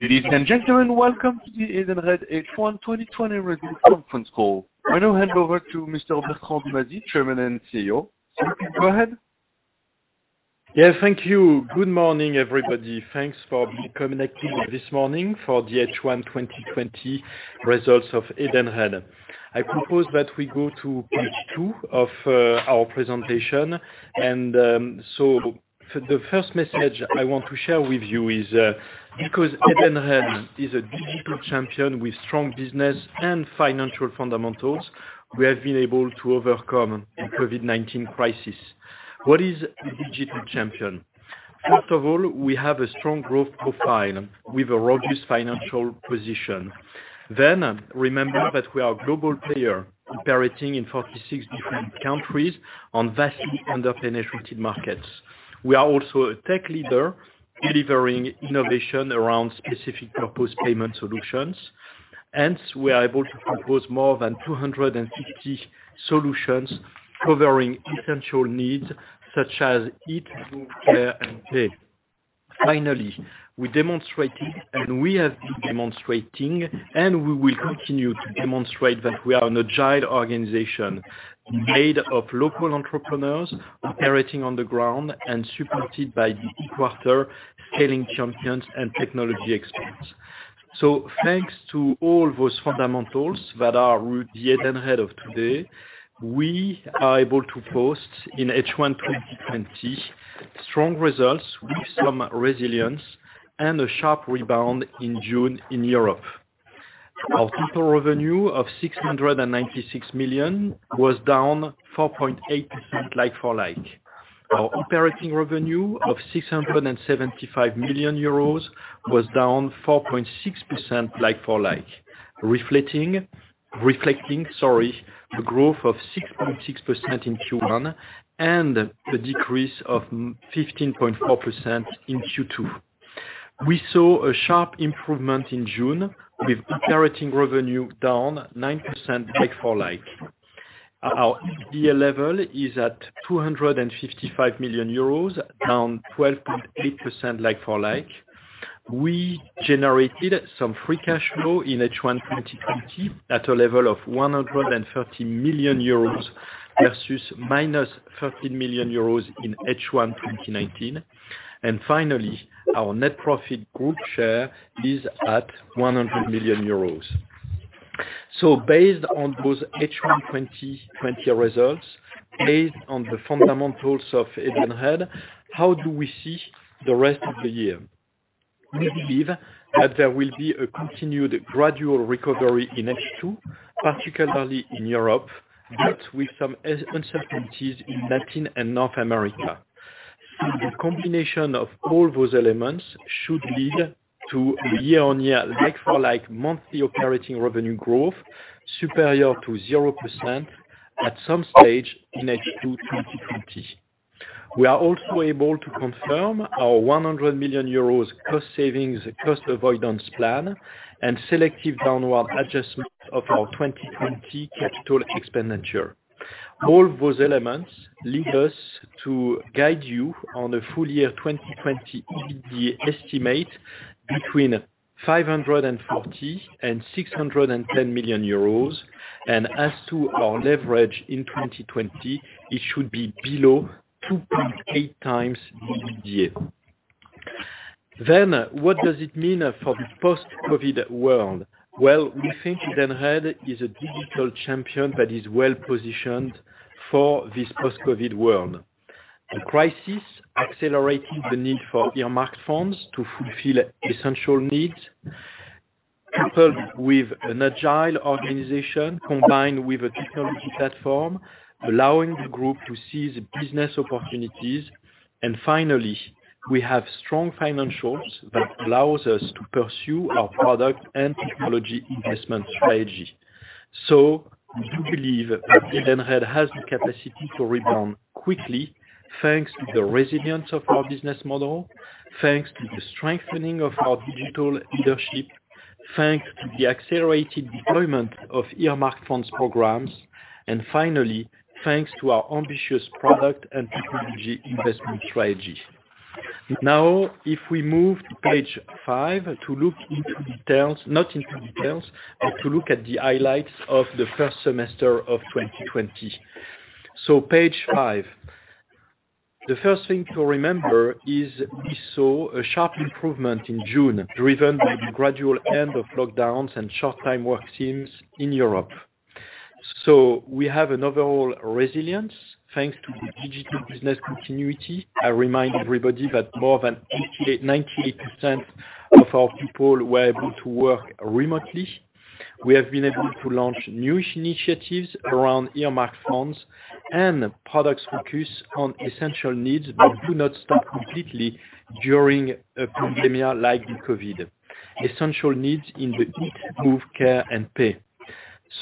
Ladies and gentlemen, welcome to the Edenred H1 2020 Review Conference Call. I now hand over to Mr. Bertrand Dumazy, Chairman and CEO. You can go ahead. Yes, thank you. Good morning, everybody. Thanks for being connected this morning for the H1 2020 results of Edenred. I propose that we go to point two of our presentation. And so the first message I want to share with you is, because Edenred is a digital champion with strong business and financial fundamentals, we have been able to overcome the COVID-19 crisis. What is a digital champion? First of all, we have a strong growth profile with a robust financial position. Then, remember that we are a global player, operating in 46 different countries on vastly underpenetrated markets. We are also a tech leader, delivering innovation around specific purpose payment solutions. Hence, we are able to propose more than 250 solutions covering essential needs such as eat, roam, care, and pay. Finally, we demonstrated, and we have been demonstrating, and we will continue to demonstrate that we are an agile organization made of local entrepreneurs operating on the ground and supported by the headquarters scaling champions and technology experts, so thanks to all those fundamentals that are the Edenred of today, we are able to post in H1 2020 strong results with some resilience and a sharp rebound in June in Europe. Our total revenue of 696 million was down 4.8% like-for-like. Our operating revenue of 675 million euros was down 4.6% like-for-like, reflecting the growth of 6.6% in Q1 and a decrease of 15.4% in Q2. We saw a sharp improvement in June with operating revenue down 9% like-for-like. Our EBIT level is at 255 million euros, down 12.8% like-for-like. We generated some free cash flow in H1 2020 at a level of 130 million euros versus minus 13 million euros in H1 2019. Finally, our net profit group share is at 100 million euros. So based on those H1 2020 results, based on the fundamentals of Edenred, how do we see the rest of the year? We believe that there will be a continued gradual recovery in H2, particularly in Europe, but with some uncertainties in Latin and North America. So the combination of all those elements should lead to year-on-year like-for-like monthly operating revenue growth superior to 0% at some stage in H2 2020. We are also able to confirm our 100 million euros cost savings cost avoidance plan and selective downward adjustment of our 2020 capital expenditure. All those elements lead us to guide you on a full year 2020 EBITDA estimate between 540 and 610 million euros, and as to our leverage in 2020, it should be below 2.8 times EBITDA. What does it mean for the post-COVID world? We think Edenred is a digital champion that is well positioned for this post-COVID world. The crisis accelerated the need for earmarked funds to fulfill essential needs, coupled with an agile organization combined with a technology platform, allowing the group to seize business opportunities. Finally, we have strong financials that allow us to pursue our product and technology investment strategy. We believe that Edenred has the capacity to rebound quickly thanks to the resilience of our business model, thanks to the strengthening of our digital leadership, thanks to the accelerated deployment of earmarked funds programs, and finally, thanks to our ambitious product and technology investment strategy. Now, if we move to page five to look into details, not into details, but to look at the highlights of the first semester of 2020. Page five. The first thing to remember is we saw a sharp improvement in June driven by the gradual end of lockdowns and short-time work schemes in Europe. We have an overall resilience thanks to the digital business continuity. I remind everybody that more than 98% of our people were able to work remotely. We have been able to launch new initiatives around earmarked funds and products focused on essential needs that do not stop completely during a pandemic like COVID-19: essential needs in the eat, move, care, and pay.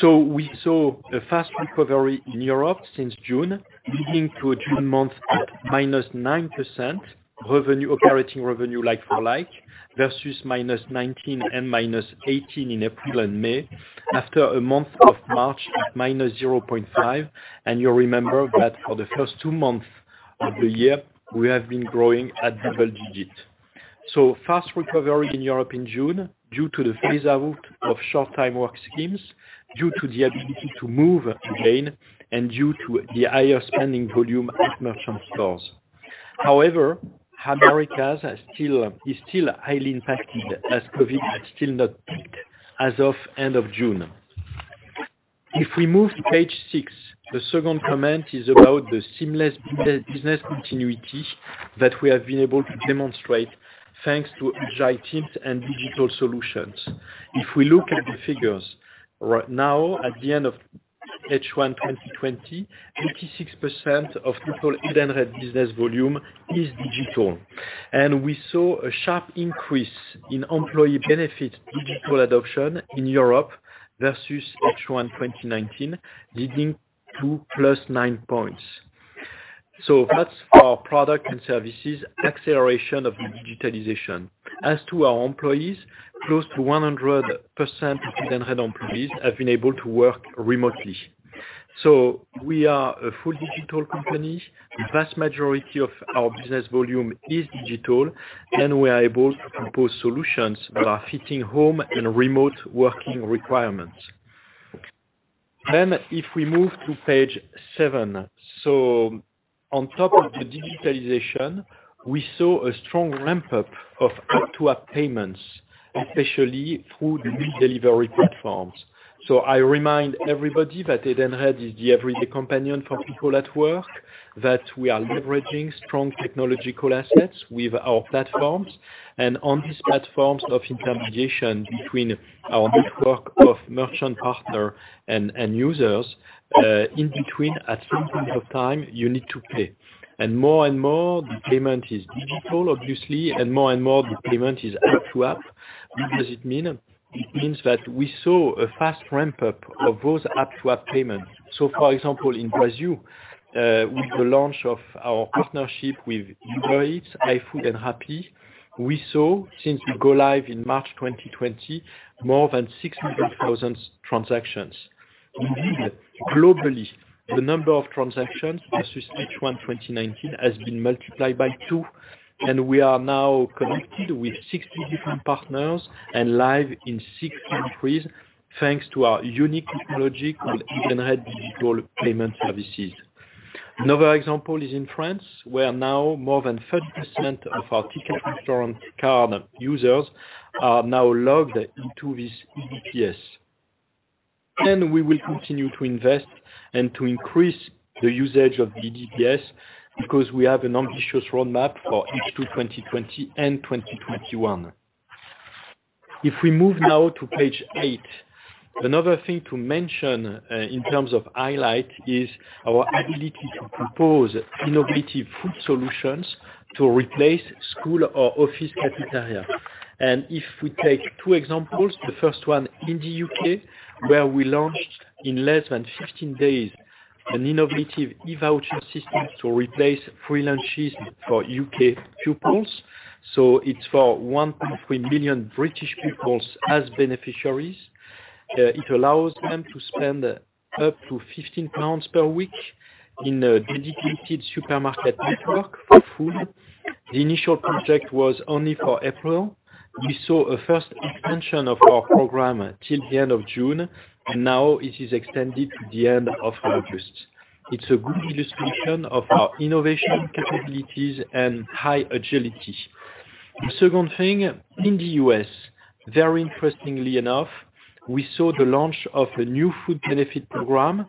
We saw a fast recovery in Europe since June, leading to a June month at -9% operating revenue like-for-like versus -19% and -18% in April and May, after a month of March at -0.5%. You remember that for the first two months of the year, we have been growing at double digits. So fast recovery in Europe in June due to the phase-out of short-time work schemes, due to the ability to move again, and due to the higher spending volume at merchant stores. However, America is still highly impacted as COVID has still not peaked as of end of June. If we move to page six, the second comment is about the seamless business continuity that we have been able to demonstrate thanks to agile teams and digital solutions. If we look at the figures now, at the end of H1 2020, 86% of total Edenred business volume is digital. And we saw a sharp increase in employee benefit digital adoption in Europe versus H1 2019, leading to plus 9 points. So that's our product and services acceleration of digitalization. As to our employees, close to 100% of Edenred employees have been able to work remotely, so we are a full digital company. The vast majority of our business volume is digital, and we are able to propose solutions that are fitting home and remote working requirements, then if we move to page seven, so on top of the digitalization, we saw a strong ramp-up of app-to-app payments, especially through the e-delivery platforms. I remind everybody that Edenred is the everyday companion for people at work, that we are leveraging strong technological assets with our platforms, and on these platforms of intermediation between our network of merchant partners and users, in between, at some point of time, you need to pay, and more and more, the payment is digital, obviously, and more and more, the payment is app-to-app. What does it mean? It means that we saw a fast ramp-up of those app-to-app payments. So, for example, in Brazil, with the launch of our partnership with Uber Eats, iFood, and Rappi, we saw, since we go live in March 2020, more than 600,000 transactions. Indeed, globally, the number of transactions versus H1 2019 has been multiplied by two. And we are now connected with 60 different partners and live in six countries thanks to our unique technology called Edenred Digital Payment Services. Another example is in France, where now more than 30% of our Ticket Restaurant card users are now logged into this EDPS. And we will continue to invest and to increase the usage of the EDPS because we have an ambitious roadmap for H2 2020 and 2021. If we move now to page eight, another thing to mention in terms of highlight is our ability to propose innovative food solutions to replace school or office cafeteria. And if we take two examples, the first one in the U.K., where we launched in less than 15 days an innovative e-voucher system to replace free lunches for U.K. pupils. So it's for 1.3 million British pupils as beneficiaries. It allows them to spend up to 15 pounds per week in a dedicated supermarket network for food. The initial project was only for April. We saw a first extension of our program till the end of June, and now it is extended to the end of August. It's a good illustration of our innovation capabilities and high agility. The second thing, in the U.S., very interestingly enough, we saw the launch of a new food benefit program.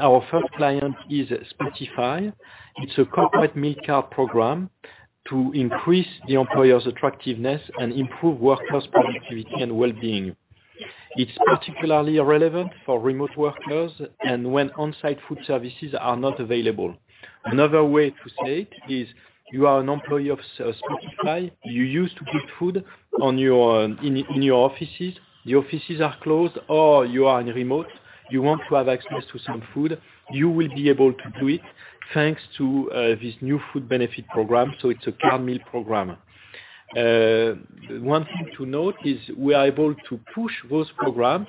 Our first client is Spotify. It's a corporate meal card program to increase the employer's attractiveness and improve workers' productivity and well-being. It's particularly relevant for remote workers and when on-site food services are not available. Another way to say it is, you are an employee of Spotify. You used to get food in your offices. The offices are closed, or you are in remote. You want to have access to some food. You will be able to do it thanks to this new food benefit program, so it's a card meal program. One thing to note is we are able to push those programs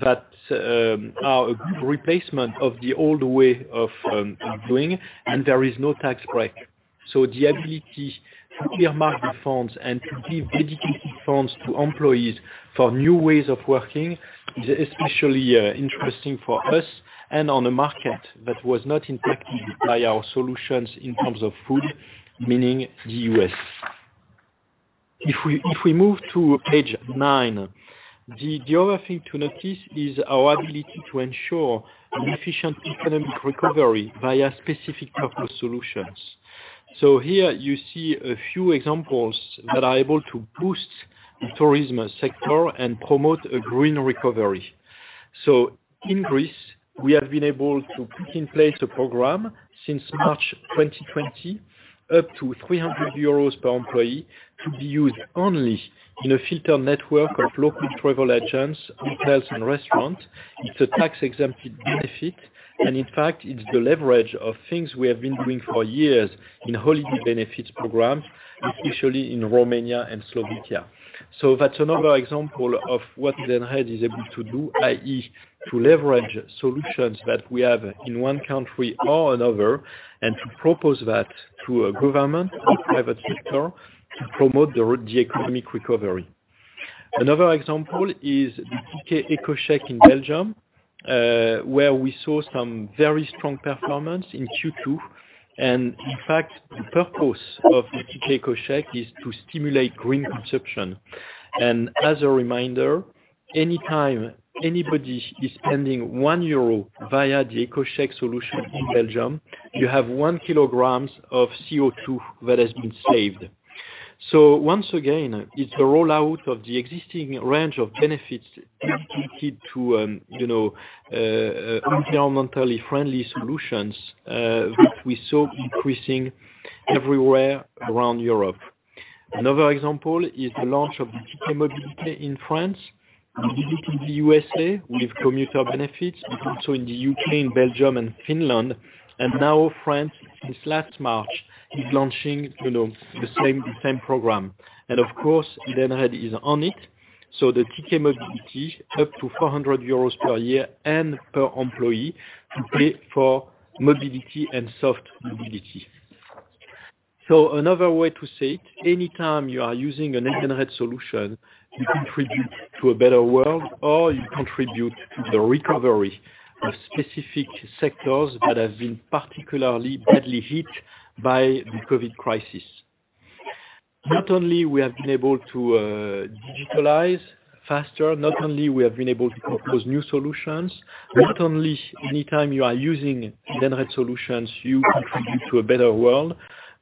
that are a good replacement of the old way of doing, and there is no tax break. The ability to earmark the funds and to give dedicated funds to employees for new ways of working is especially interesting for us and on a market that was not impacted by our solutions in terms of food, meaning the U.S. If we move to page nine, the other thing to notice is our ability to ensure efficient economic recovery via specific purpose solutions. Here, you see a few examples that are able to boost the tourism sector and promote a green recovery. In Greece, we have been able to put in place a program since March 2020, up to 300 euros per employee, to be used only in a filtered network of local travel agents, hotels, and restaurants. It's a tax-exempt benefit. In fact, it's the leverage of things we have been doing for years in holiday benefits programs, especially in Romania and Slovakia. So that's another example of what Edenred is able to do, i.e., to leverage solutions that we have in one country or another and to propose that to a government or private sector to promote the economic recovery. Another example is the Ticket EcoCheque in Belgium, where we saw some very strong performance in Q2. And in fact, the purpose of the Ticket EcoCheque is to stimulate green consumption. And as a reminder, anytime anybody is spending 1 euro via the EcoCheque solution in Belgium, you have one kilogram of CO2 that has been saved. So once again, it's the rollout of the existing range of benefits dedicated to environmentally friendly solutions that we saw increasing everywhere around Europe. Another example is the launch of the Ticket Mobilité in France, visiting the USA with Commuter Benefits, but also in the U.K., in Belgium, and Finland. Now, France, since last March, is launching the same program. Of course, Edenred is on it. The Ticket Mobilité, up to 400 euros per year and per employee, to pay for mobility and soft mobility. Another way to say it, anytime you are using an Edenred solution, you contribute to a better world, or you contribute to the recovery of specific sectors that have been particularly badly hit by the COVID crisis. Not only have we been able to digitalize faster, not only have we been able to propose new solutions, not only anytime you are using Edenred solutions, you contribute to a better world,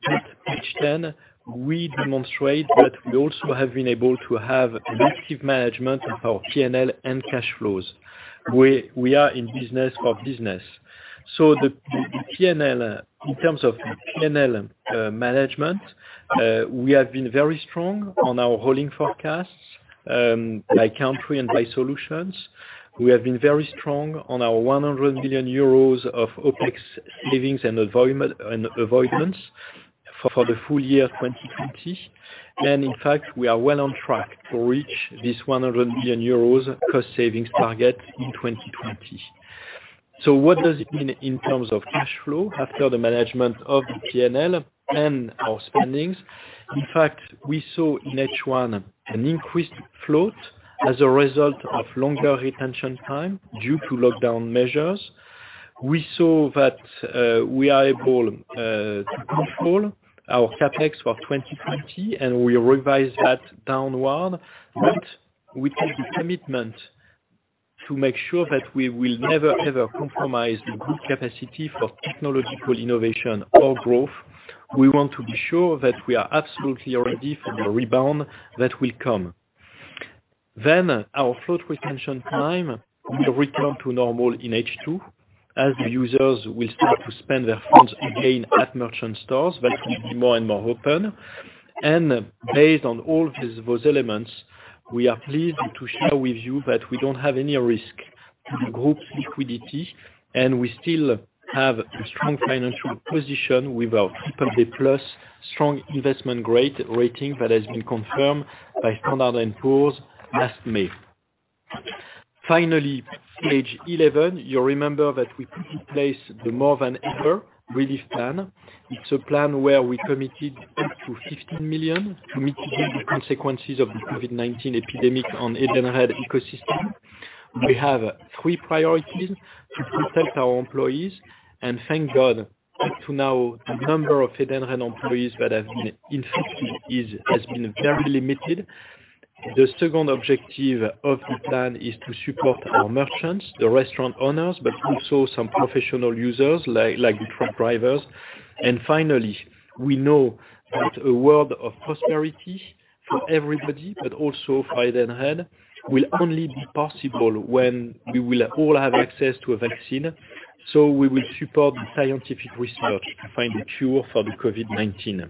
but page 10, we demonstrate that we also have been able to have active management of our P&L and cash flows. We are in business for business. In terms of P&L management, we have been very strong on our rolling forecasts by country and by solutions. We have been very strong on our 100 million euros of OpEx savings and avoidments for the full year 2020. In fact, we are well on track to reach this 100 million euros cost savings target in 2020. What does it mean in terms of cash flow after the management of the P&L and our spendings? In fact, we saw in H1 an increased float as a result of longer retention time due to lockdown measures. We saw that we are able to control our CapEx for 2020, and we revised that downward. With the commitment to make sure that we will never, ever compromise the good capacity for technological innovation or growth, we want to be sure that we are absolutely ready for the rebound that will come. Then, our float retention time will return to normal in H2, as the users will start to spend their funds again at merchant stores that will be more and more open. And based on all those elements, we are pleased to share with you that we don't have any risk to the group's liquidity, and we still have a strong financial position with our triple-A plus strong investment rating that has been confirmed by Standard & Poor's last May. Finally, page 11, you remember that we put in place the More Than Ever Relief Plan. It's a plan where we committed up to 15 million to mitigate the consequences of the COVID-19 epidemic on Edenred ecosystem. We have three priorities to protect our employees. And thank God, up to now, the number of Edenred employees that have been infected has been very limited. The second objective of the plan is to support our merchants, the restaurant owners, but also some professional users like the truck drivers. And finally, we know that a world of prosperity for everybody, but also for Edenred, will only be possible when we will all have access to a vaccine. So we will support the scientific research to find a cure for the COVID-19.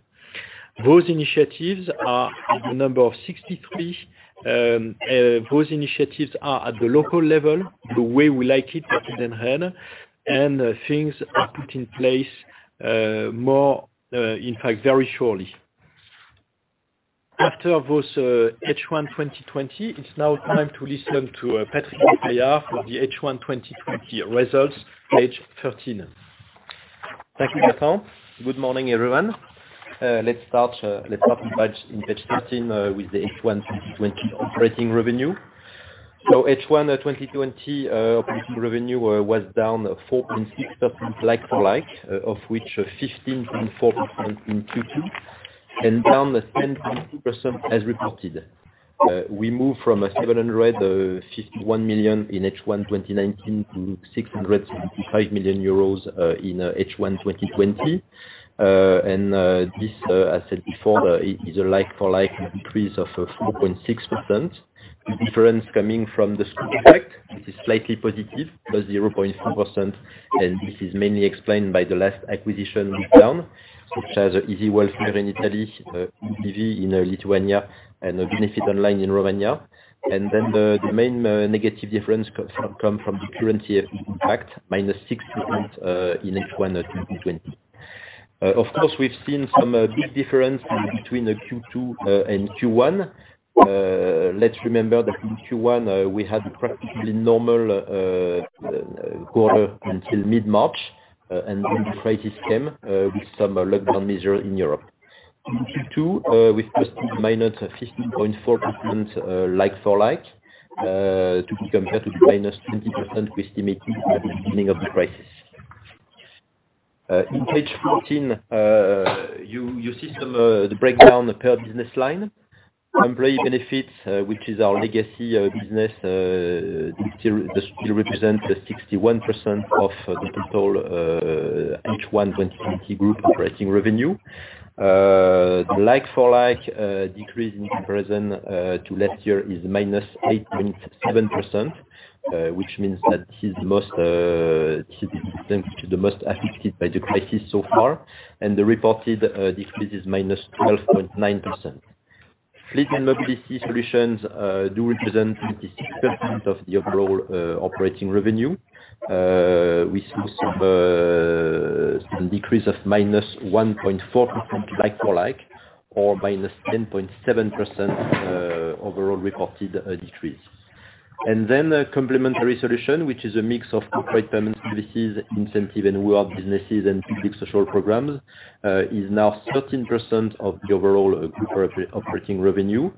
Those initiatives are the number of 63. Those initiatives are at the local level, the way we like it at Edenred, and things are put in place more, in fact, very surely. After those H1 2020, it's now time to listen to Patrick Bataillard for the H1 2020 results, page 13. Thank you, Bertrand. Good morning, everyone. Let's start in page 13 with the H1 2020 operating revenue. H1 2020 operating revenue was down 4.6% like-for-like, of which 15.4% in Q2, and down 10.2% as reported. We moved from 751 million in H1 2019 to 675 million euros in H1 2020. And this, as said before, is a like-for-like increase of 4.6%. The difference coming from the scope effect, which is slightly positive, plus 0.4%, and this is mainly explained by the last acquisition we found, which has Easy Welfare in Italy, EBV in Lithuania, and Benefit Online in Romania. And then the main negative difference comes from the currency impact, -6% in H1 2020. Of course, we've seen some big differences between Q2 and Q1. Let's remember that in Q1, we had a practically normal quarter until mid-March, and then the crisis came with some lockdown measures in Europe. In Q2, we posted -15.4% like-for-like to be compared to the -20% we estimated at the beginning of the crisis. In page 14, you see the breakdown per business line. Employee benefits, which is our legacy business, still represent 61% of the total H1 2020 group operating revenue. The like-for-like decrease in comparison to last year is -8.7%, which means that this is the most affected by the crisis so far. And the reported decrease is -12.9%. Fleet and mobility solutions do represent 76% of the overall operating revenue. We saw some decrease of -1.4% like-for-like or -10.7% overall reported decrease. And then complementary solution, which is a mix of corporate payment services, incentive, and world businesses and public social programs, is now 13% of the overall operating revenue.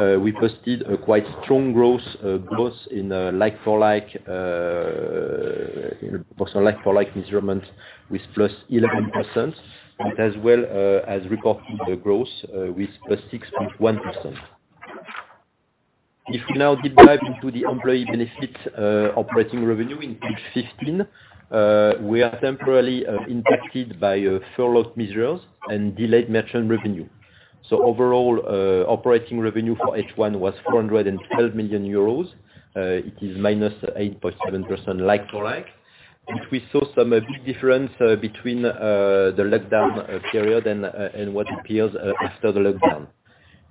We posted a quite strong growth in like-for-like, in the personal like-for-like measurement, with +11%, but as well as reported growth with +6.1%. If we now deep dive into the employee benefits operating revenue in page 15, we are temporarily impacted by furloughed measures and delayed merchant revenue, so overall operating revenue for H1 was 412 million euros. It is -8.7% like-for-like, but we saw some big difference between the lockdown period and what appears after the lockdown.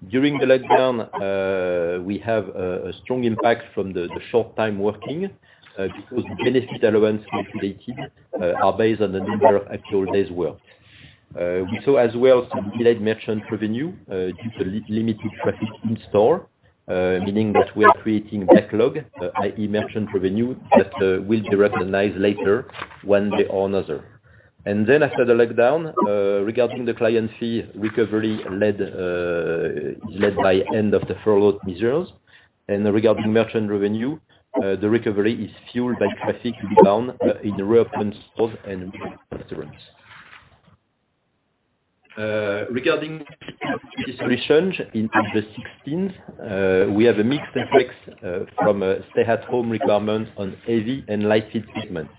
During the lockdown, we have a strong impact from the short time working because benefit allowance calculated are based on the number of actual days worked. We saw as well some delayed merchant revenue due to limited traffic in store, meaning that we are creating backlog, i.e., merchant revenue that will be recognized later one day or another. After the lockdown, regarding the client fee recovery is led by end of the furloughed measures. Regarding merchant revenue, the recovery is fueled by traffic rebound in reopened stores and restaurants. Regarding solutions in page 16, we have a mixed effect from stay-at-home requirements on heavy and light fleet equipment.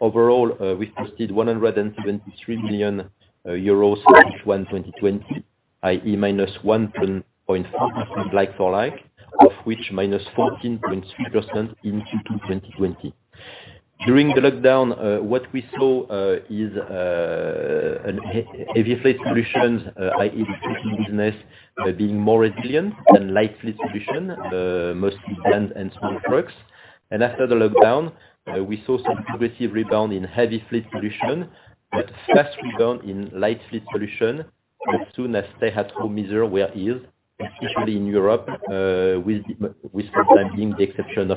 Overall, we posted 173 million euros for H1 2020, i.e., -1.4% like-for-like, of which -14.3% in Q2 2020. During the lockdown, what we saw is heavy fleet solutions, i.e., the fleet business, being more resilient than light-fleet solution, mostly vans and small trucks. After the lockdown, we saw some progressive rebound in heavy fleet solution, but fast rebound in light-fleet solution as soon as stay-at-home measures were lifted, especially in Europe, with the UK being the exception.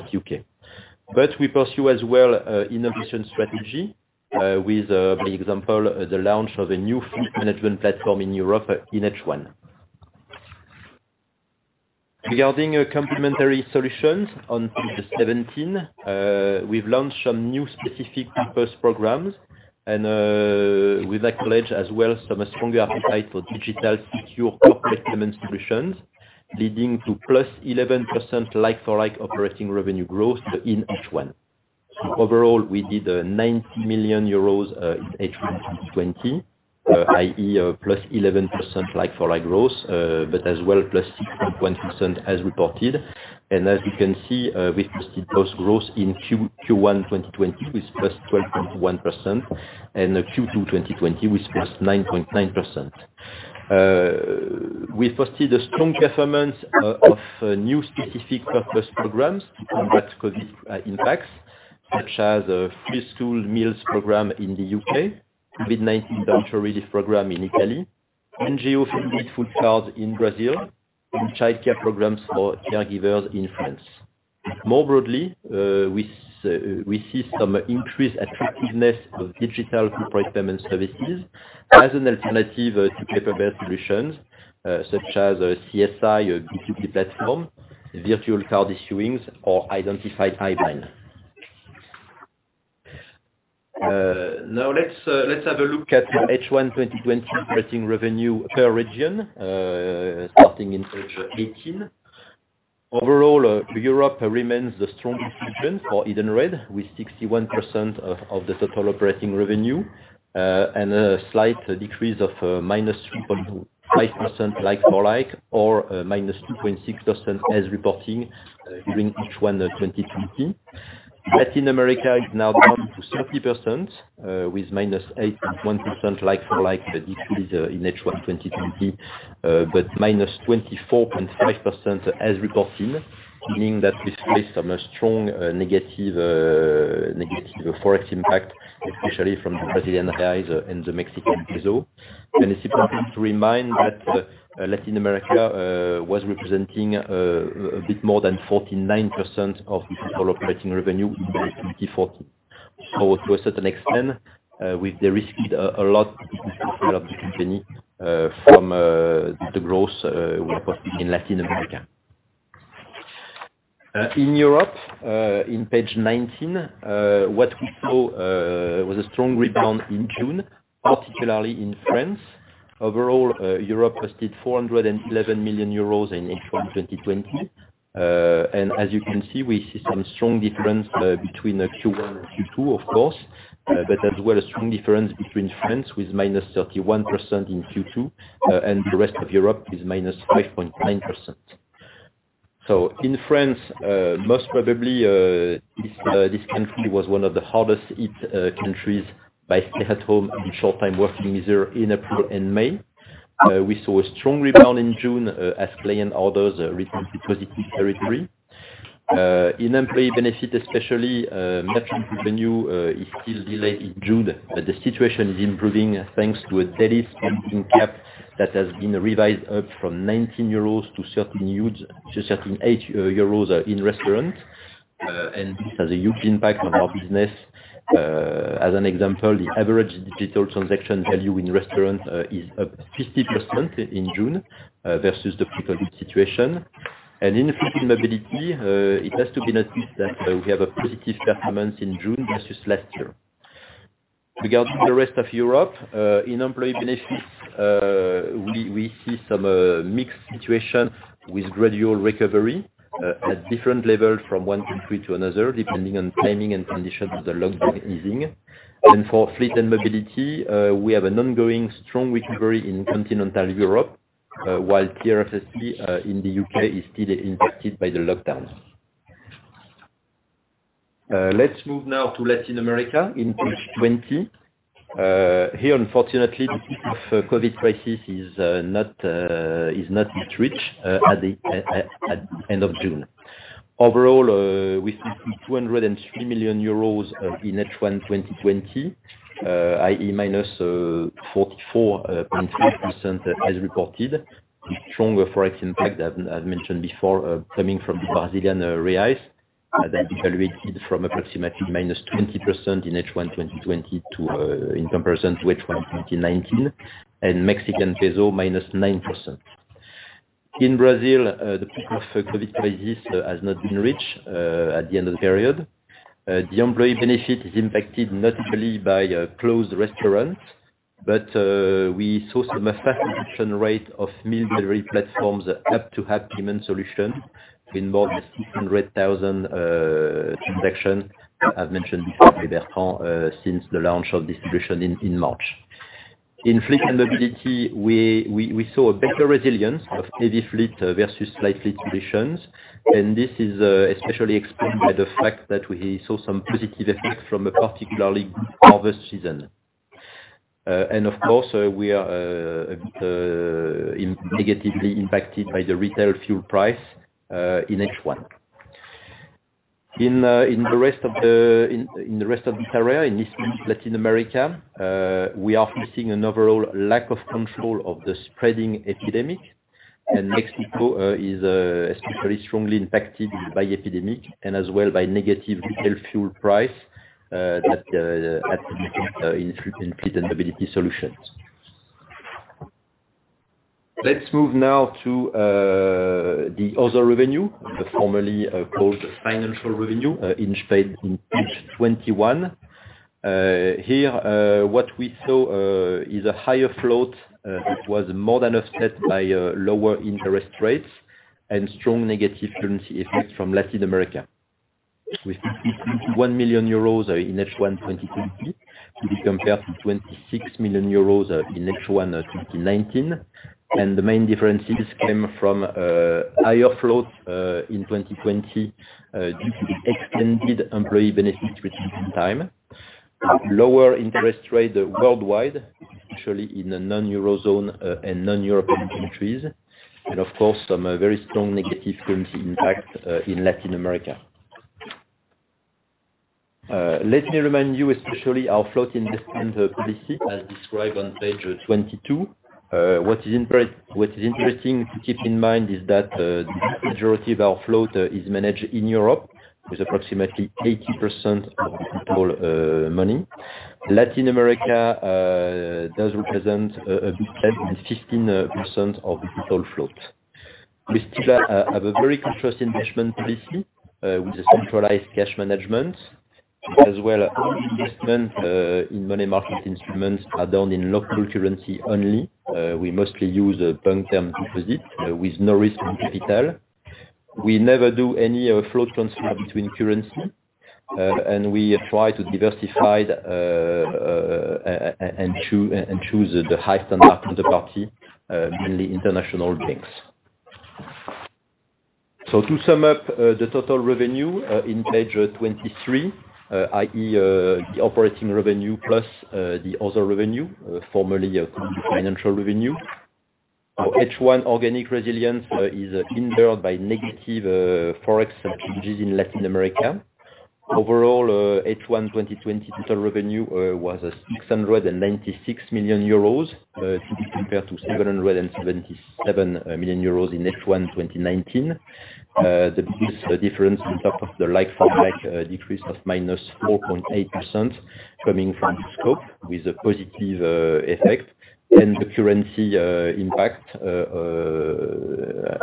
But we pursue as well innovation strategy with, for example, the launch of a new fleet management platform in Europe in H1. Regarding complementary solutions, on page 17, we've launched some new specific purpose programs, and we've acknowledged as well some stronger appetite for digital secure corporate payment solutions, leading to plus 11% like-for-like operating revenue growth in H1. Overall, we did EUR 90 million in H1 2020, i.e., plus 11% like-for-like growth, but as well plus 6.1% as reported. And as you can see, we posted those growth in Q1 2020 with plus 12.1%, and Q2 2020 with plus 9.9%. We posted a strong performance of new specific purpose programs to combat COVID impacts, such as free school meals program in the U.K., COVID-19 voucher relief program in Italy, NGO-funded food cards in Brazil, and childcare programs for caregivers in France. More broadly, we see some increased attractiveness of digital corporate payment services as an alternative to paper-based solutions, such as CSI, B2B platform, virtual card issuing, or identified IBAN. Now, let's have a look at H1 2020 operating revenue per region, starting on page 18. Overall, Europe remains the strongest region for Edenred, with 61% of the total operating revenue, and a slight decrease of -5% like-for-like or -2.6% as reporting during H1 2020. Latin America is now down to 30% with -8.1% like-for-like decrease in H1 2020, but -24.5% as reporting, meaning that we face some strong negative forex impact, especially from the Brazilian reais and the Mexican peso. And it's important to remind that Latin America was representing a bit more than 49% of the total operating revenue in 2014. To a certain extent, we've de-risked a lot of the company from the growth we posted in Latin America. In Europe, in page 19, what we saw was a strong rebound in June, particularly in France. Overall, Europe posted 411 million euros in H1 2020. As you can see, we see some strong difference between Q1 and Q2, of course, but as well a strong difference between France with -31% in Q2 and the rest of Europe with -5.9%. In France, most probably, this country was one of the hardest-hit countries by stay-at-home and short-time working measure in April and May. We saw a strong rebound in June as client orders returned to positive territory. In employee benefit, especially, merchant revenue is still delayed in June, but the situation is improving thanks to a daily spending cap that has been revised up from 19 euros to 13.80 euros in restaurants. And this has a huge impact on our business. As an example, the average digital transaction value in restaurants is up 50% in June versus the pre-COVID situation. And in fleet and mobility, it has to be noted that we have a positive performance in June versus last year. Regarding the rest of Europe, in employee benefits, we see some mixed situation with gradual recovery at different levels from one country to another, depending on timing and conditions of the lockdown easing. And for fleet and mobility, we have an ongoing strong recovery in continental Europe, while the TRFC in the U.K. is still impacted by the lockdown. Let's move now to Latin America in page 20. Here, unfortunately, the COVID crisis has hit hard at the end of June. Overall, we see 203 million euros in H1 2020, i.e., 44.3% as reported, with stronger forex impact, as mentioned before, coming from the Brazilian reais that devalued from approximately -20% in H1 2020 in comparison to H1 2019, and Mexican peso -9%. In Brazil, the COVID crisis has hit hard at the end of the period. The employee benefit is impacted notably by closed restaurants, but we saw some fast adoption rate of meal delivery platforms uptake of app-to-app payment solutions in more than 600,000 transactions, as mentioned by Bertrand, since the launch of distribution in March. In fleet and mobility, we saw a better resilience of heavy fleet versus light-fleet solutions, and this is especially explained by the fact that we saw some positive effects from a particularly good harvest season. Of course, we are negatively impacted by the retail fuel price in H1. In the rest of this area, in Hispanic Latin America, we are facing an overall lack of control of the spreading epidemic, and Mexico is especially strongly impacted by the epidemic and as well by negative retail fuel price that has been impacted in fleet and mobility solutions. Let's move now to the other revenue, the formerly called financial revenue, as highlighted on page 21. Here, what we saw is a higher float. It was more than offset by lower interest rates and strong negative currency effects from Latin America. We see 21 million euros in H1 2020 compared to 26 million euros in H1 2019. The main differences came from higher floats in 2020 due to the extended employee benefit retreat time, lower interest rate worldwide, especially in the non-Eurozone and non-European countries, and of course, some very strong negative currency impact in Latin America. Let me remind you, especially our float investment policy, as described on page 22. What is interesting to keep in mind is that the majority of our float is managed in Europe with approximately 80% of the total money. Latin America does represent a bit less than 15% of the total float. We still have a very contrasting investment policy with centralized cash management, as well as investment in money market instruments are done in local currency only. We mostly use bank term deposit with no risk on capital. We never do any float transfer between currency, and we try to diversify and choose the high standard third party, mainly international banks. So, to sum up the total revenue in page 23, i.e., the operating revenue plus the other revenue, formerly called the financial revenue, H1 organic resilience is hindered by negative forex changes in Latin America. Overall, H1 2020 total revenue was 696 million euros compared to 777 million euros in H1 2019. The biggest difference on top of the like-for-like decrease of -4.8% coming from scope with a positive effect, and the currency impact,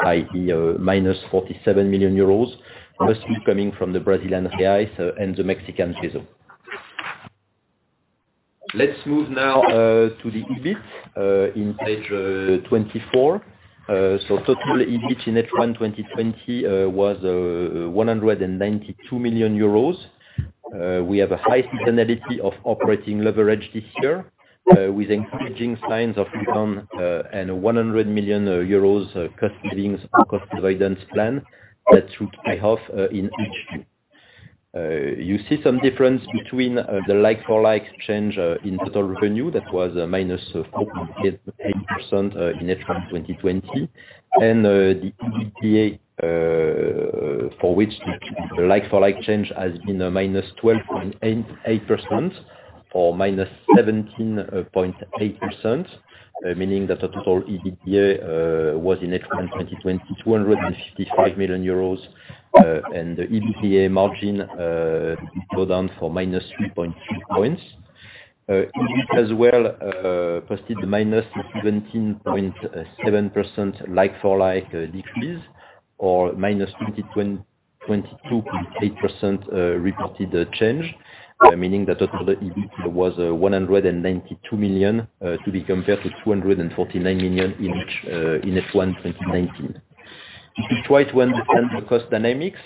i.e.,minus 47 million euros must be coming from the Brazilian reais and the Mexican peso. Let's move now to the EBIT in page 24. So, total EBIT in H1 2020 was 192 million euros. We have a high seasonality of operating leverage this year with encouraging signs of return and a 100 million euros cost savings or cost avoidance plan that should pay off in H2. You see some difference between the like-for-like change in total revenue that was -4.8% in H1 2020, and the EBITDA for which the like-for-like change has been -12.8% or -17.8%, meaning that the total EBITDA was in H1 2020 255 million euros, and the EBITDA margin did go down for -3.3 points. EBIT as well posted -17.7% like-for-like decrease or -22.8% reported change, meaning that total EBIT was 192 million to be compared to 249 million in H1 2019. If you try to understand the cost dynamics,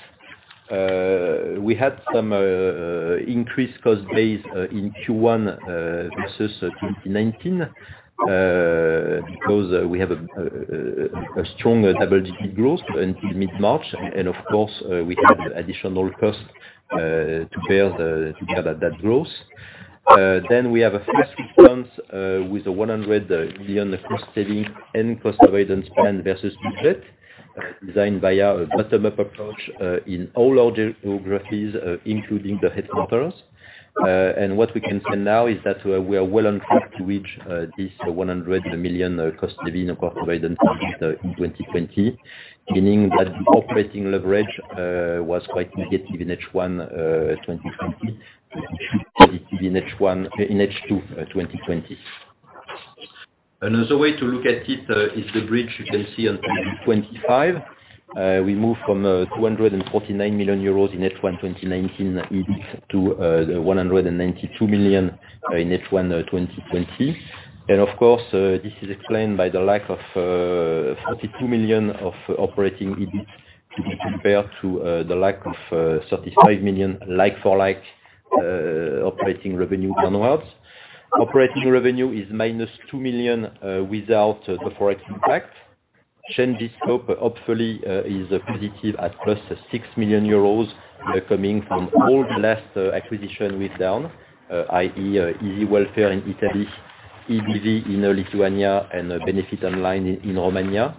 we had some increased cost base in Q1 versus 2019 because we have a strong double-digit growth until mid-March, and of course, we had additional cost to bear that growth. Then we have a flexible funds with a 100 million cost savings and cost avoidance plan versus EBIT designed via a bottom-up approach in all our geographies, including the headquarters. And what we can say now is that we are well on track to reach this 100 million cost savings and cost avoidance target in 2020, meaning that the operating leverage was quite negative in H1 2020 and should be positive in H2 2020. Another way to look at it is the bridge you can see on page 25. We moved from 249 million euros in H1 2019 EBIT to 192 million in H1 2020. Of course, this is explained by the lack of 42 million of operating EBIT to be compared to the lack of 35 million like-for-like operating revenue downwards. Operating revenue is minus 2 million without the forex impact. Change in scope hopefully is positive at plus 6 million euros coming from all the last acquisition withdrawn, i.e., Easy Welfare in Italy, EBV in Lithuania, and Benefit Online in Romania.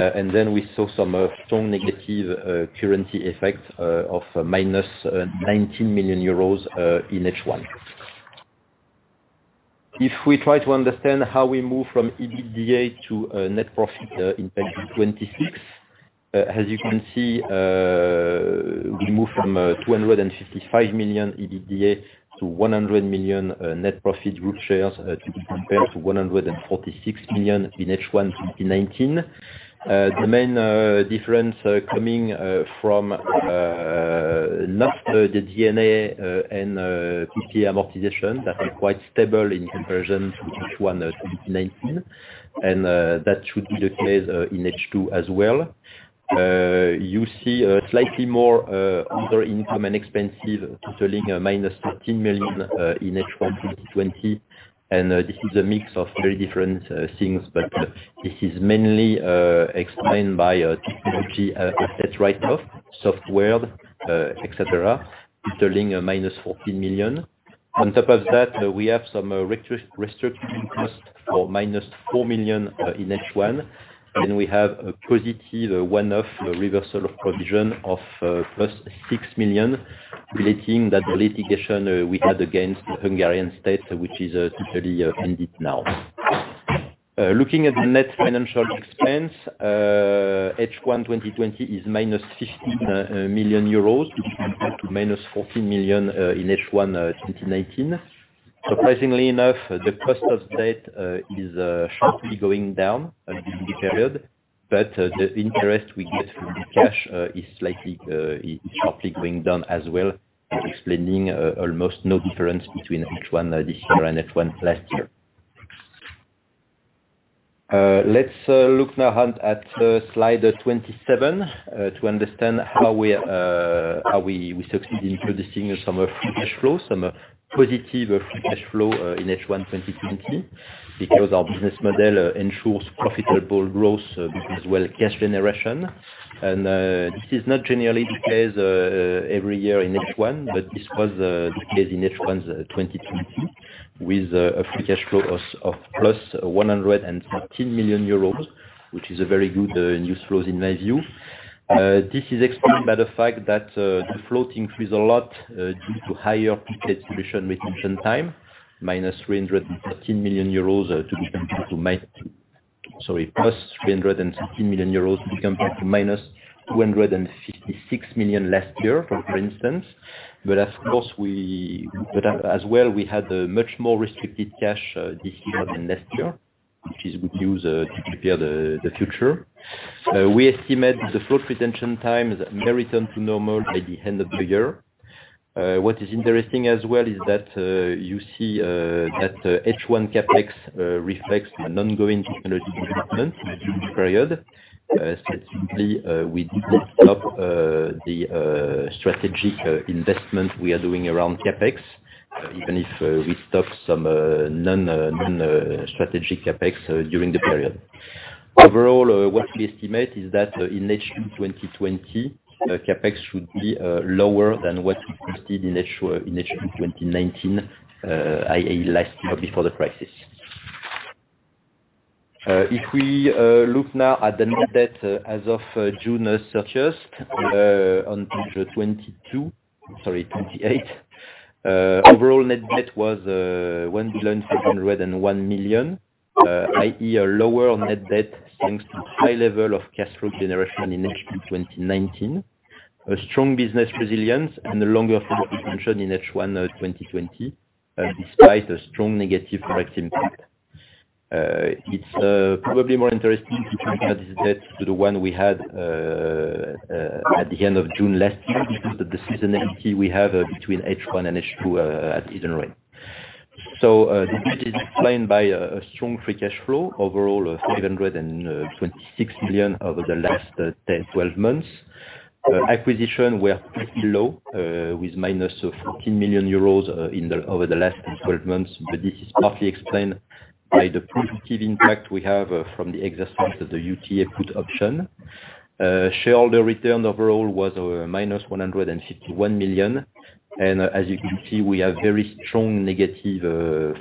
And then we saw some strong negative currency effect of minus 19 million euros in H1. If we try to understand how we move from EBITDA to net profit in page 26, as you can see, we moved from 255 million EBITDA to 100 million net profit group shares to be compared to 146 million in H1 2019. The main difference coming from not the D&A and PPA amortization that are quite stable in comparison to H1 2019, and that should be the case in H2 as well. You see slightly more other income and expenses totaling minus 13 million in H1 2020, and this is a mix of very different things, but this is mainly explained by technology asset write-off, softwares, etc., totaling minus 14 million. On top of that, we have some restructuring costs for minus 4 million in H1, and we have a positive one-off reversal of provision of plus 6 million, relating to the litigation we had against the Hungarian state, which is totally ended now. Looking at the net financial expense, H1 2020 is minus 15 million euros to minus 14 million in H1 2019. Surprisingly enough, the cost of debt is sharply going down during the period, but the interest we get from the cash is sharply going down as well, explaining almost no difference between H1 this year and H1 last year. Let's look now at slide 27 to understand how we succeed in producing some free cash flow, some positive free cash flow in H1 2020, because our business model ensures profitable growth as well as cash generation. This is not generally the case every year in H1, but this was the case in H1 2020 with a free cash flow of plus 113 million euros, which is a very good news flow in my view. This is explained by the fact that the float increased a lot due to higher prepaid solution retention time, minus 313 million euros to become plus 313 million euros to become plus minus 256 million last year, for instance. But of course, as well, we had much more restricted cash this year than last year, which is good news to prepare the future. We estimate the float retention times may return to normal by the end of the year. What is interesting as well is that you see that H1 CapEx reflects an ongoing technology development during this period, specifically with the stop of the strategic investment we are doing around CapEx, even if we stop some non-strategic CapEx during the period. Overall, what we estimate is that in H2 2020, CapEx should be lower than what we posted in H2 2019, i.e., last year before the crisis. If we look now at the net debt as of June 31st on page 28, overall net debt was 1,501 million, i.e., a lower net debt thanks to a high level of cash flow generation in H2 2019, a strong business resilience, and a longer float retention in H1 2020, despite a strong negative forex impact. It's probably more interesting to compare this debt to the one we had at the end of June last year because of the seasonality we have between H1 and H2 at Edenred. So this is explained by a strong free cash flow, overall 526 million over the last 12 months. Acquisitions were pretty low, with minus 14 million euros over the last 12 months, but this is partly explained by the positive impact we have from the exercise of the UTA put option. Shareholder return overall was minus 151 million, and as you can see, we have very strong negative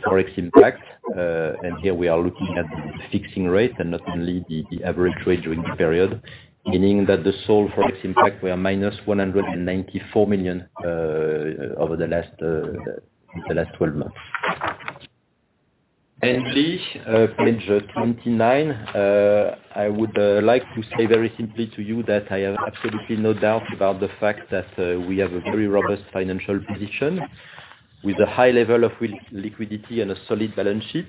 forex impact, and here we are looking at the fixing rate and not only the average rate during the period, meaning that the sole forex impact was minus 194 million over the last 12 months, and finally, page 29, I would like to say very simply to you that I have absolutely no doubt about the fact that we have a very robust financial position with a high level of liquidity and a solid balance sheet.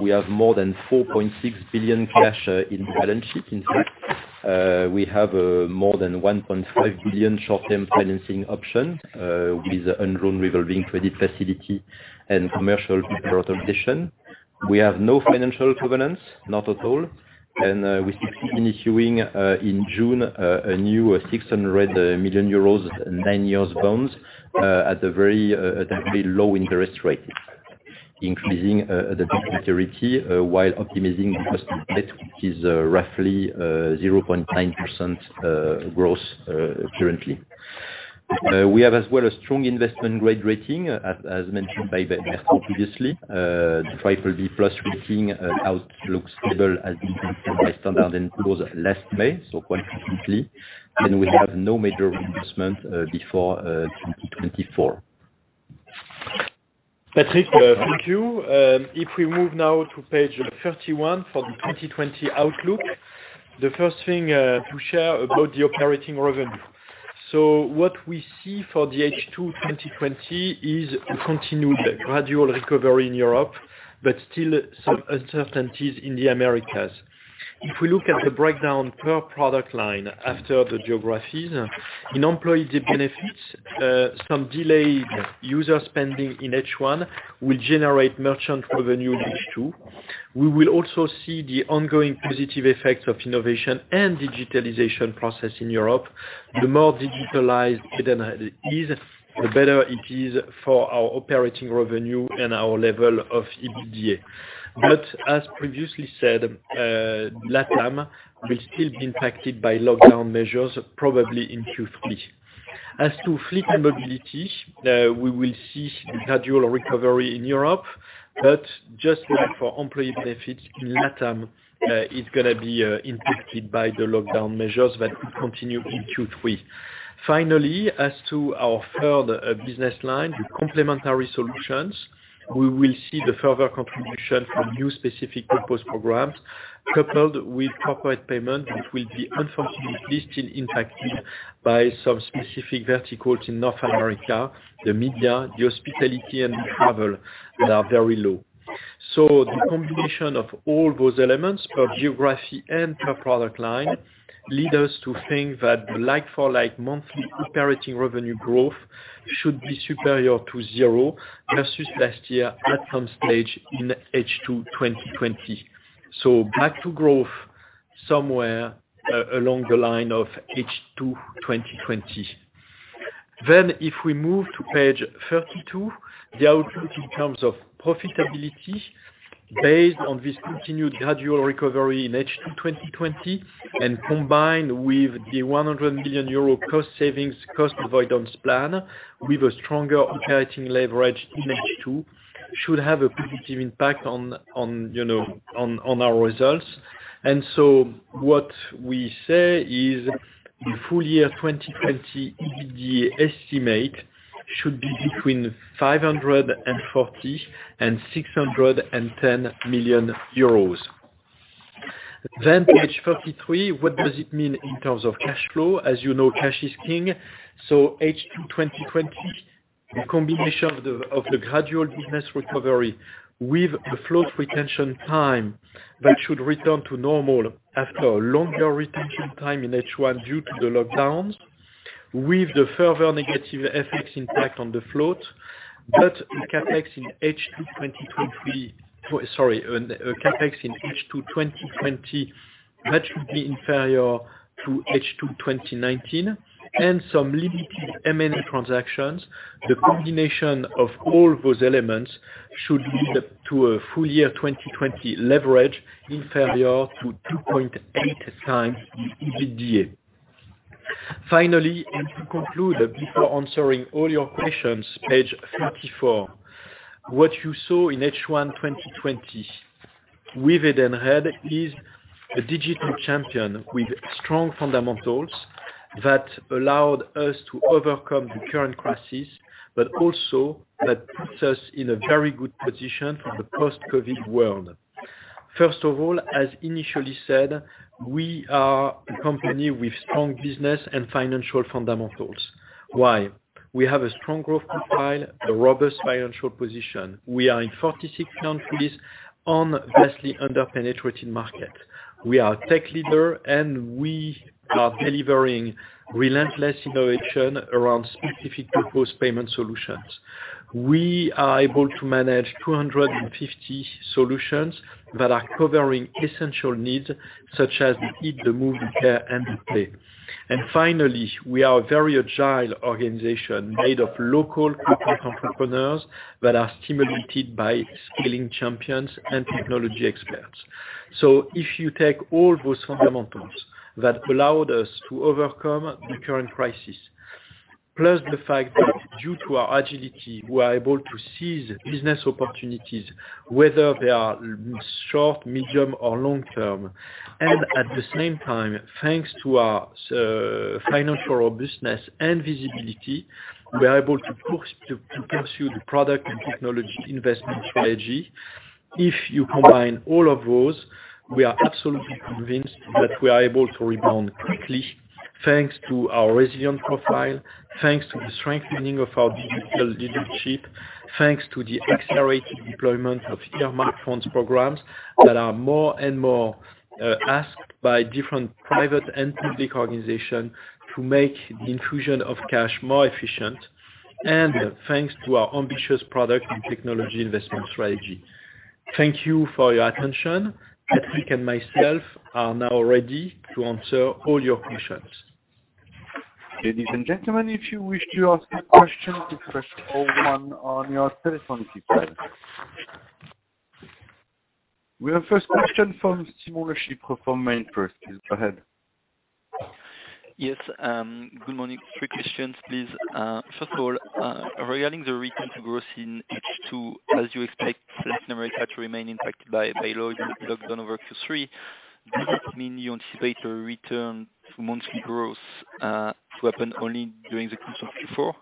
We have more than 4.6 billion cash in the balance sheet. In fact, we have more than 1.5 billion short-term financing options with undrawn revolving credit facility and commercial paper authorization. We have no financial covenants, not at all, and we succeeded in issuing in June a new 600 million euros nine-year bonds at a very low interest rate, increasing the disparity while optimizing the cost of debt, which is roughly 0.9% growth currently. We have as well a strong investment-grade rating, as mentioned by Bertrand previously. The triple B plus rating outlook is stable as it was set by Standard & Poor's last May, so quite recently, and we have no major reinvestment before 2024. Patrick, thank you. If we move now to page 31 for the 2020 outlook, the first thing to share about the operating revenue. So what we see for the H2 2020 is continued gradual recovery in Europe, but still some uncertainties in the Americas. If we look at the breakdown per product line after the geographies, in employee benefits, some delayed user spending in H1 will generate merchant revenue in H2. We will also see the ongoing positive effects of innovation and digitalization process in Europe. The more digitalized it is, the better it is for our operating revenue and our level of EBITDA. But as previously said, LATAM will still be impacted by lockdown measures, probably in Q3. As to fleet and mobility, we will see the gradual recovery in Europe, but just like for employee benefits, LATAM is going to be impacted by the lockdown measures that will continue in Q3. Finally, as to our third business line, the complementary solutions, we will see the further contribution from new specific purpose programs coupled with corporate payments which will be unfortunately still impacted by some specific verticals in North America. The media, the hospitality, and the travel are very low, so the combination of all those elements, per geography and per product line, leads us to think that the like-for-like monthly operating revenue growth should be superior to zero versus last year at some stage in H2 2020, so back to growth somewhere along the line of H2 2020. Then if we move to page 32, the outlook in terms of profitability, based on this continued gradual recovery in H2 2020 and combined with the 100 million euro cost savings cost avoidance plan, with a stronger operating leverage in H2 should have a positive impact on our results, and so what we say is the full year 2020 EBITDA estimate should be between 540 and 610 million euros, then page 33, what does it mean in terms of cash flow? As you know, cash is king. H2 2020, the combination of the gradual business recovery with the float retention time that should return to normal after a longer retention time in H1 due to the lockdowns, with the further negative effects impact on the float, but the CapEx in H2 2020 that should be inferior to H2 2019, and some limited M&A transactions, the combination of all those elements should lead to a full year 2020 leverage inferior to 2.8 times the EBITDA. Finally, to conclude before answering all your questions, page 34, what you saw in H1 2020 with Edenred is a digital champion with strong fundamentals that allowed us to overcome the current crisis, but also that puts us in a very good position for the post-COVID world. First of all, as initially said, we are a company with strong business and financial fundamentals. Why? We have a strong growth profile, a robust financial position. We are in 46 countries on vastly underpenetrated markets. We are a tech leader, and we are delivering relentless innovation around specific purpose payment solutions. We are able to manage 250 solutions that are covering essential needs such as the eat, the move, the care, and the play. And finally, we are a very agile organization made of local corporate entrepreneurs that are stimulated by skilling champions and technology experts. So if you take all those fundamentals that allowed us to overcome the current crisis, plus the fact that due to our agility, we are able to seize business opportunities, whether they are short, medium, or long term. And at the same time, thanks to our financial robustness and visibility, we are able to pursue the product and technology investment strategy. If you combine all of those, we are absolutely convinced that we are able to rebound quickly, thanks to our resilient profile, thanks to the strengthening of our digital leadership, thanks to the accelerated deployment of earmarked funds programs that are more and more asked by different private and public organizations to make the infusion of cash more efficient, and thanks to our ambitious product and technology investment strategy. Thank you for your attention. Patrick and myself are now ready to answer all your questions. Ladies and gentlemen, if you wish to ask a question, please press all one on your telephone, please. We have a first question from Simon Ljungberg from MainFirst. Please go ahead. Yes. Good morning. Three questions, please. First of all, regarding the return to growth in H2, as you expect Latin America to remain impacted by lockdown over Q3, does it mean you anticipate a return to monthly growth to happen only during the Q4?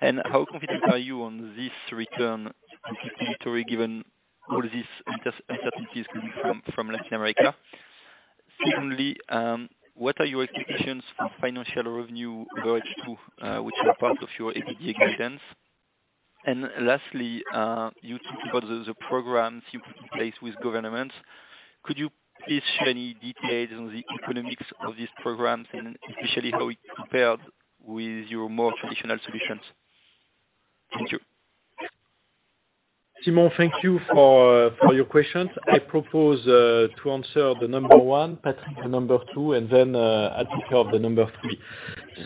And how confident are you on this return to the trajectory given all these uncertainties coming from Latin America? Secondly, what are your expectations for financial revenue over H2, which is part of your EBITDA expectations? And lastly, you talked about the programs you put in place with governments. Could you please share any details on the economics of these programs, and especially how it compared with your more traditional solutions? Thank you. Simon, thank you for your questions. I propose to answer the number one, Patrick, the number two, and then I will do the number three.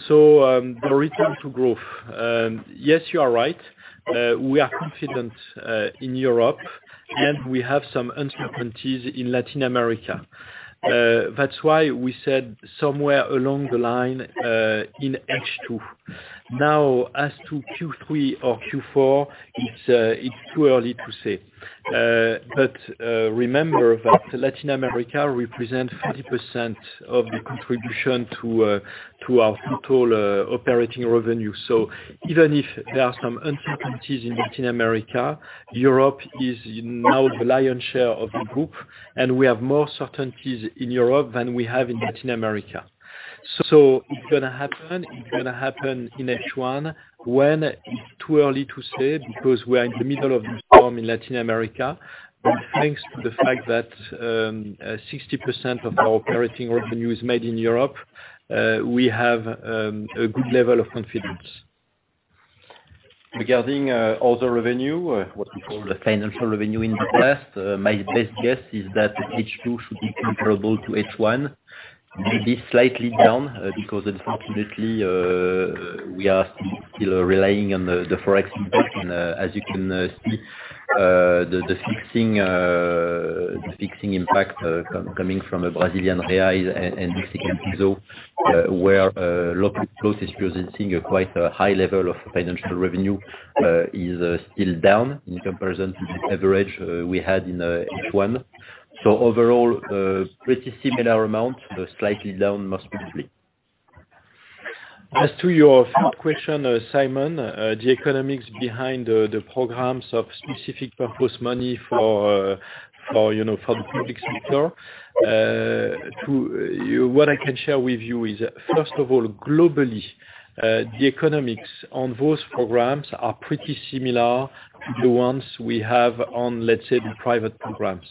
So the return to growth, yes, you are right. We are confident in Europe, and we have some uncertainties in Latin America. That's why we said somewhere along the line in H2. Now, as to Q3 or Q4, it's too early to say. But remember that Latin America represents 40% of the contribution to our total operating revenue. So even if there are some uncertainties in Latin America, Europe is now the lion's share of the group, and we have more certainties in Europe than we have in Latin America. So it's going to happen. It's going to happen in H1. When? It's too early to say because we are in the middle of the storm in Latin America. But thanks to the fact that 60% of our operating revenue is made in Europe, we have a good level of confidence. Regarding other revenue, what we call the financial revenue in the past, my best guess is that H2 should be comparable to H1. Maybe slightly down because unfortunately, we are still relying on the forex impact. And as you can see, the fixing impact coming from a Brazilian real and Mexican peso, where locked and closed is presenting a quite high level of financial revenue, is still down in comparison to the average we had in H1. Overall, pretty similar amount, but slightly down most probably. As to your first question, Simon, the economics behind the programs of specific purpose money for the public sector, what I can share with you is, first of all, globally, the economics on those programs are pretty similar to the ones we have on, let's say, the private programs.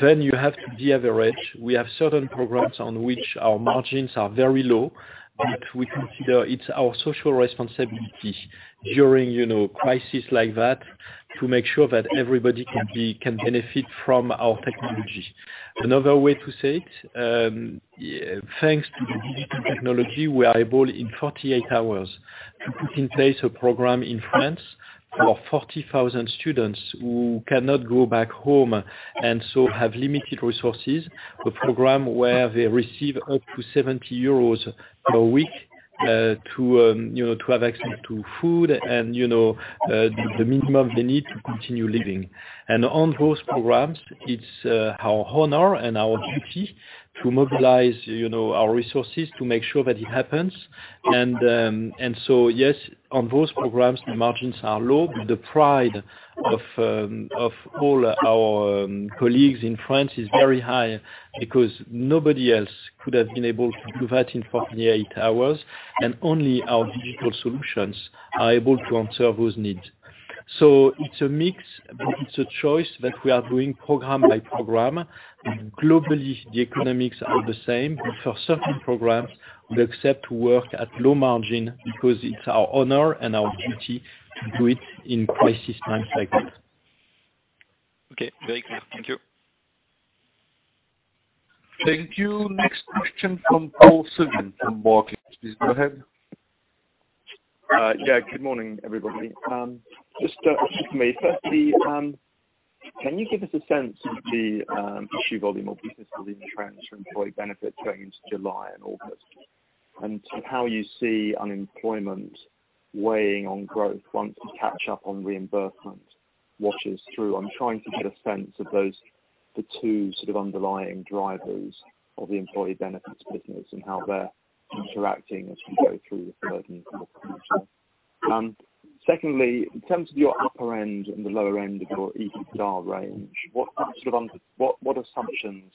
Then you have to de-average. We have certain programs on which our margins are very low, but we consider it's our social responsibility during crises like that to make sure that everybody can benefit from our technology. Another way to say it, thanks to the digital technology, we are able in 48 hours to put in place a program in France for 40,000 students who cannot go back home and so have limited resources, a program where they receive up to 70 euros per week to have access to food and the minimum they need to continue living, and on those programs, it's our honor and our duty to mobilize our resources to make sure that it happens. And so, yes, on those programs, the margins are low, but the pride of all our colleagues in France is very high because nobody else could have been able to do that in 48 hours, and only our digital solutions are able to answer those needs. So it's a mix, but it's a choice that we are doing program by program. Globally, the economics are the same, but for certain programs, we accept to work at low margin because it's our honor and our duty to do it in crisis time cycles. Okay. Very clear. Thank you. Thank you. Next question from Paul Sullivan from Barclays. Please go ahead. Yeah. Good morning, everybody. Just to start off with me, firstly, can you give us a sense of the issue volume of businesses in France for employee benefits going into July and August, and how you see unemployment weighing on growth once you catch up on reimbursement washes through? I'm trying to get a sense of those two sort of underlying drivers of the employee benefits business and how they're interacting as we go through the third and fourth quarter. Secondly, in terms of your upper end and the lower end of your EBITDA range, what assumptions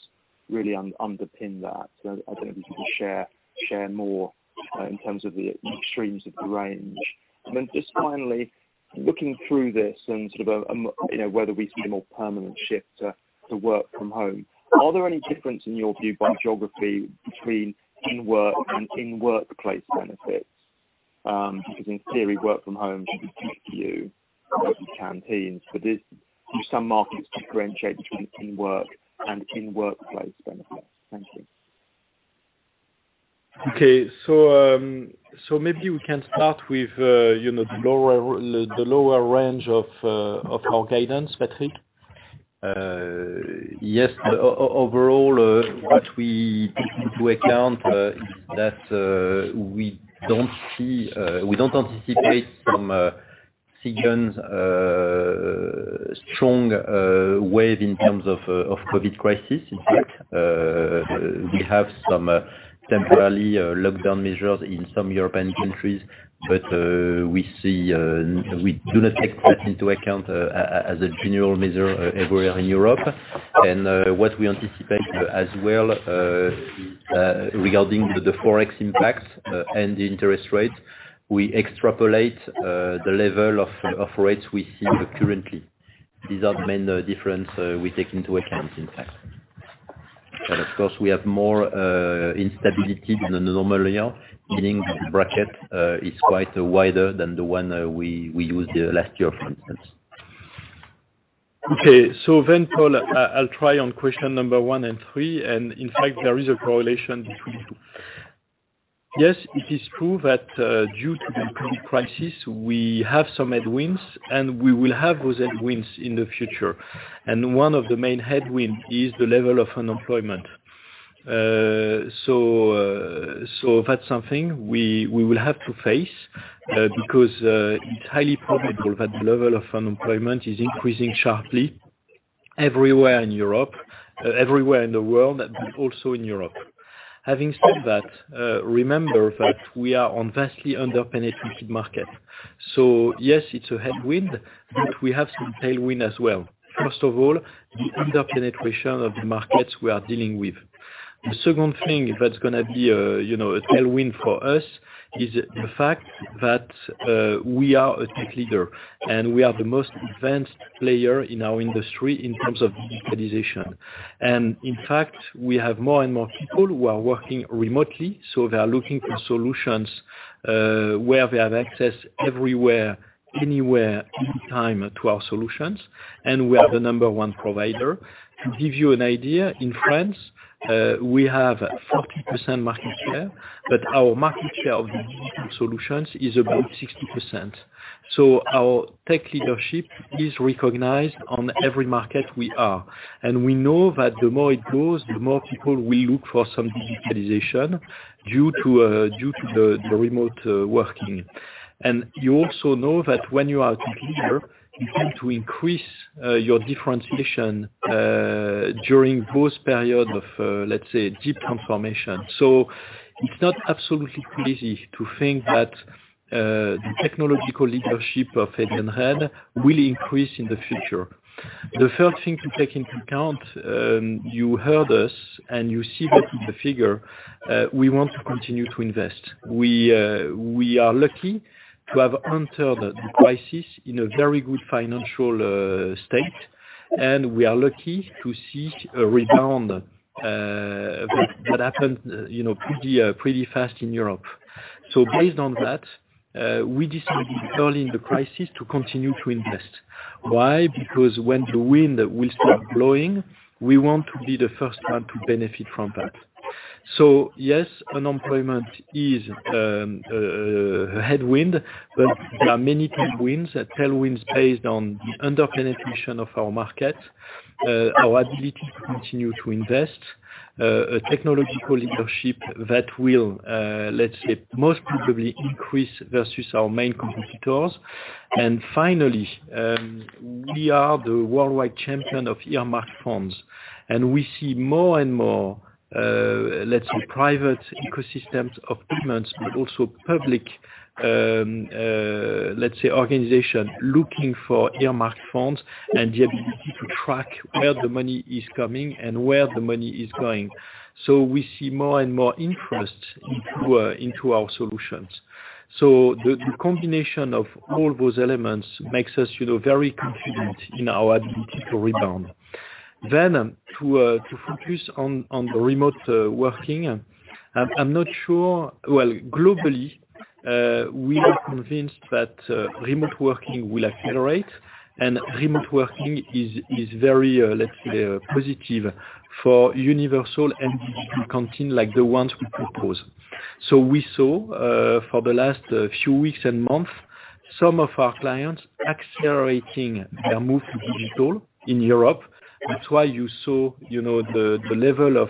really underpin that? I don't know if you could share more in terms of the extremes of the range. And then just finally, looking through this and sort of whether we see a more permanent shift to work from home, are there any difference in your view by geography between in-work and in-workplace benefits? Because in theory, work from home should be cheaper for you because of the canteens. But do some markets differentiate between in-work and in-workplace benefits? Thank you. Okay. So maybe we can start with the lower range of our guidance, Patrick. Yes. Overall, what we took into account is that we don't anticipate some significant strong wave in terms of COVID crisis. In fact, we have some temporary lockdown measures in some European countries, but we do not take that into account as a general measure everywhere in Europe. What we anticipate as well is regarding the forex impacts and the interest rates, we extrapolate the level of rates we see currently. These are the main differences we take into account, in fact. And of course, we have more instability than the normal year, meaning the bracket is quite wider than the one we used last year, for instance. Okay. So then, Paul, I'll try on question number one and three. And in fact, there is a correlation between the two. Yes, it is true that due to the COVID crisis, we have some headwinds, and we will have those headwinds in the future. And one of the main headwinds is the level of unemployment. So that's something we will have to face because it's highly probable that the level of unemployment is increasing sharply everywhere in Europe, everywhere in the world, but also in Europe. Having said that, remember that we are on a vastly underpenetrated market. So yes, it's a headwind, but we have some tailwind as well. First of all, the underpenetration of the markets we are dealing with. The second thing that's going to be a tailwind for us is the fact that we are a tech leader, and we are the most advanced player in our industry in terms of digitalization, and in fact, we have more and more people who are working remotely, so they are looking for solutions where they have access everywhere, anywhere, anytime to our solutions, and we are the number one provider. To give you an idea, in France, we have 40% market share, but our market share of the digital solutions is about 60%, so our tech leadership is recognized on every market we are, and we know that the more it grows, the more people will look for some digitalization due to the remote working, and you also know that when you are a tech leader, you tend to increase your differentiation during both periods of, let's say, deep transformation. So it's not absolutely easy to think that the technological leadership of Edenred will increase in the future. The third thing to take into account, you heard us, and you see that in the figure, we want to continue to invest. We are lucky to have entered the crisis in a very good financial state, and we are lucky to see a rebound that happened pretty fast in Europe. So based on that, we decided early in the crisis to continue to invest. Why? Because when the wind will start blowing, we want to be the first one to benefit from that. So yes, unemployment is a headwind, but there are many tailwinds based on the underpenetration of our markets, our ability to continue to invest, technological leadership that will, let's say, most probably increase versus our main competitors. And finally, we are the worldwide champion of earmarked funds, and we see more and more, let's say, private ecosystems of payments, but also public, let's say, organizations looking for earmarked funds and the ability to track where the money is coming and where the money is going. So we see more and more interest into our solutions. So the combination of all those elements makes us very confident in our ability to rebound. Then, to focus on the remote working, I'm not sure, well, globally, we are convinced that remote working will accelerate, and remote working is very, let's say, positive for universal and digital canteens like the ones we propose. So we saw for the last few weeks and months some of our clients accelerating their move to digital in Europe. That's why you saw the level of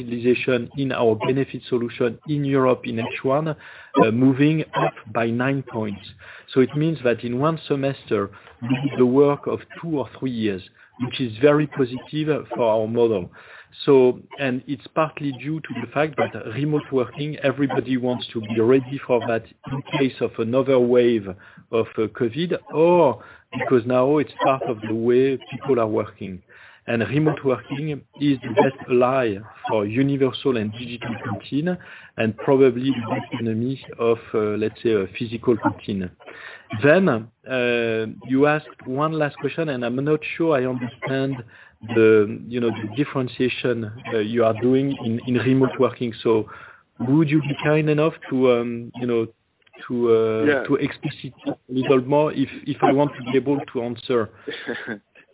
digitalization in our benefit solution in Europe in H1 moving up by nine points. It means that in one semester, we did the work of two or three years, which is very positive for our model. It's partly due to the fact that remote working, everybody wants to be ready for that in case of another wave of COVID or because now it's part of the way people are working. Remote working is the best ally for universal and digital canteen and probably the enemy of, let's say, a physical canteen. You asked one last question, and I'm not sure I understand the differentiation you are doing in remote working. Would you be kind enough to elaborate a little more if I want to be able to answer?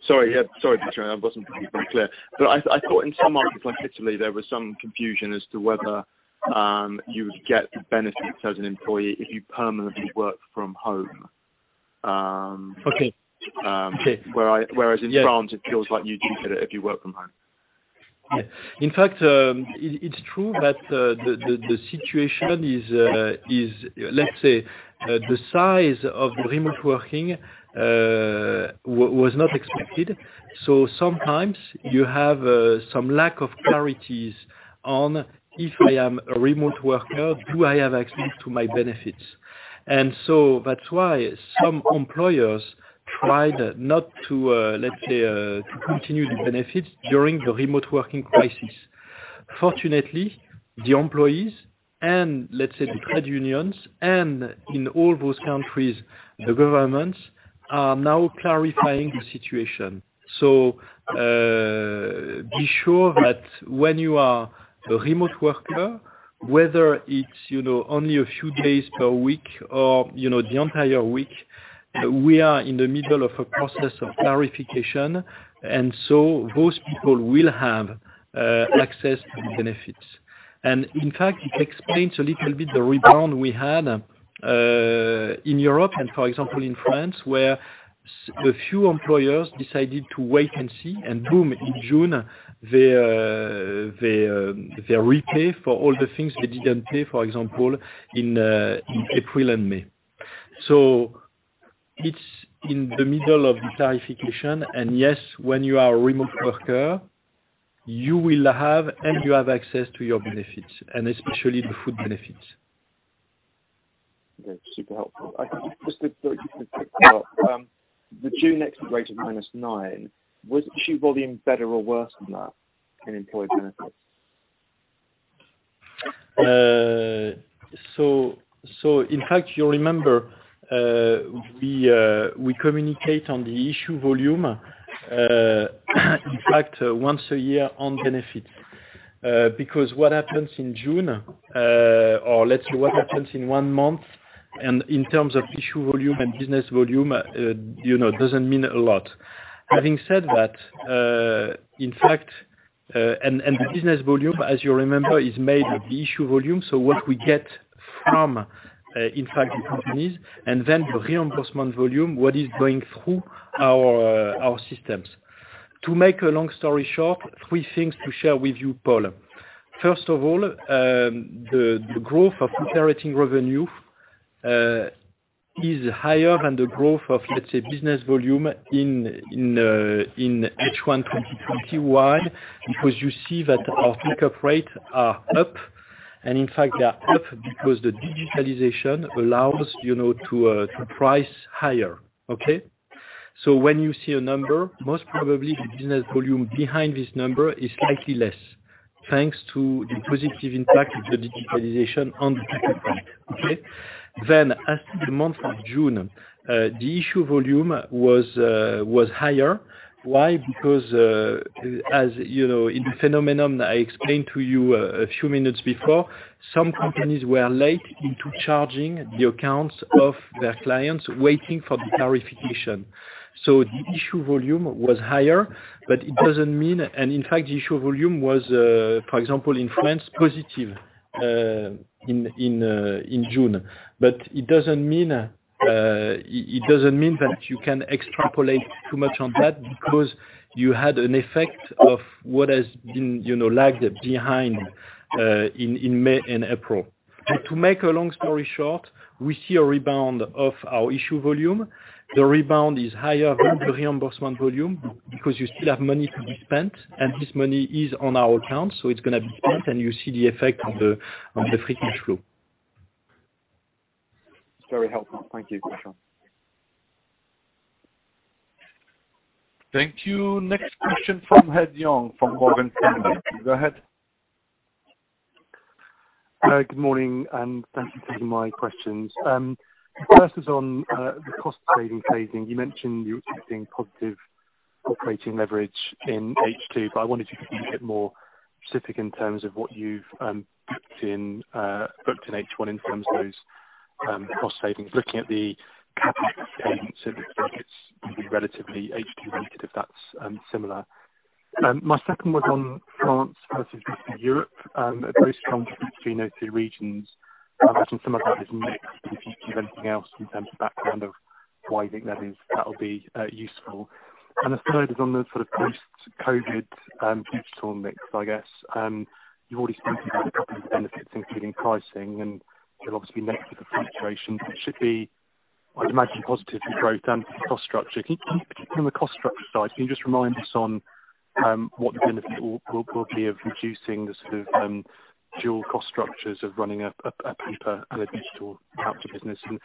Sorry. Yeah. Sorry, Bertrand. I wasn't completely clear. But I thought in some markets like Italy, there was some confusion as to whether you would get the benefits as an employee if you permanently work from home. Whereas in France, it feels like you do get it if you work from home. Yeah. In fact, it's true that the situation is, let's say, the size of the remote working was not expected. So sometimes you have some lack of clarities on if I am a remote worker, do I have access to my benefits? And so that's why some employers tried not to, let's say, continue the benefits during the remote working crisis. Fortunately, the employees and, let's say, the trade unions and in all those countries, the governments are now clarifying the situation. So be sure that when you are a remote worker, whether it's only a few days per week or the entire week, we are in the middle of a process of clarification, and so those people will have access to the benefits. And in fact, it explains a little bit the rebound we had in Europe and, for example, in France, where a few employers decided to wait and see, and boom, in June, they repay for all the things they didn't pay, for example, in April and May. So it's in the middle of the clarification. And yes, when you are a remote worker, you will have and you have access to your benefits, and especially the food benefits. Okay. Super helpful. Just a quick thought. The June exit rate of minus nine, was issue volume better or worse than that in employee benefits? So in fact, you remember we communicate on the issue volume, in fact, once a year on benefits. Because what happens in June, or let's say what happens in one month, in terms of issue volume and business volume, doesn't mean a lot. Having said that, in fact, and the business volume, as you remember, is made of the issue volume, so what we get from, in fact, the companies, and then the reimbursement volume, what is going through our systems. To make a long story short, three things to share with you, Paul. First of all, the growth of operating revenue is higher than the growth of, let's say, business volume in H1 2020 wide because you see that our pickup rates are up. And in fact, they are up because the digitalization allows to price higher. Okay? When you see a number, most probably the business volume behind this number is slightly less thanks to the positive impact of the digitalization on the pickup rate. Okay? Then, as to the month of June, the issue volume was higher. Why? Because as in the phenomenon I explained to you a few minutes before, some companies were late into charging the accounts of their clients waiting for the clarification. So the issue volume was higher, but it doesn't mean and in fact, the issue volume was, for example, in France, positive in June. But it doesn't mean that you can extrapolate too much on that because you had an effect of what has been lagged behind in May and April. But to make a long story short, we see a rebound of our issue volume. The rebound is higher than the reimbursement volume because you still have money to be spent, and this money is on our accounts, so it's going to be spent, and you see the effect of the float. Very helpful. Thank you, Bertrand. Thank you. Next question from Ed Young from Morgan Stanley. Go ahead. Good morning, and thank you for my questions. The first is on the cost savings. You mentioned you were expecting positive operating leverage in H2, but I wanted you to get more specific in terms of what you've booked in H1 in terms of those cost savings, looking at the capital expense. It's relatively H2-related if that's similar. My second one's on France versus Eastern Europe, a very strong Rest of Europe regions. I imagine some of that is mixed, but if you give anything else in terms of background of why you think that is, that'll be useful, and the third is on the sort of post-COVID digital mix, I guess. You've already spoken about a couple of benefits, including pricing, and there'll obviously be negative appreciation. It should be, I'd imagine, positive for growth and for the cost structure. In particular, on the cost structure side, can you just remind us on what the benefit will be of reducing the sort of dual cost structures of running a paper and a digital capture business, and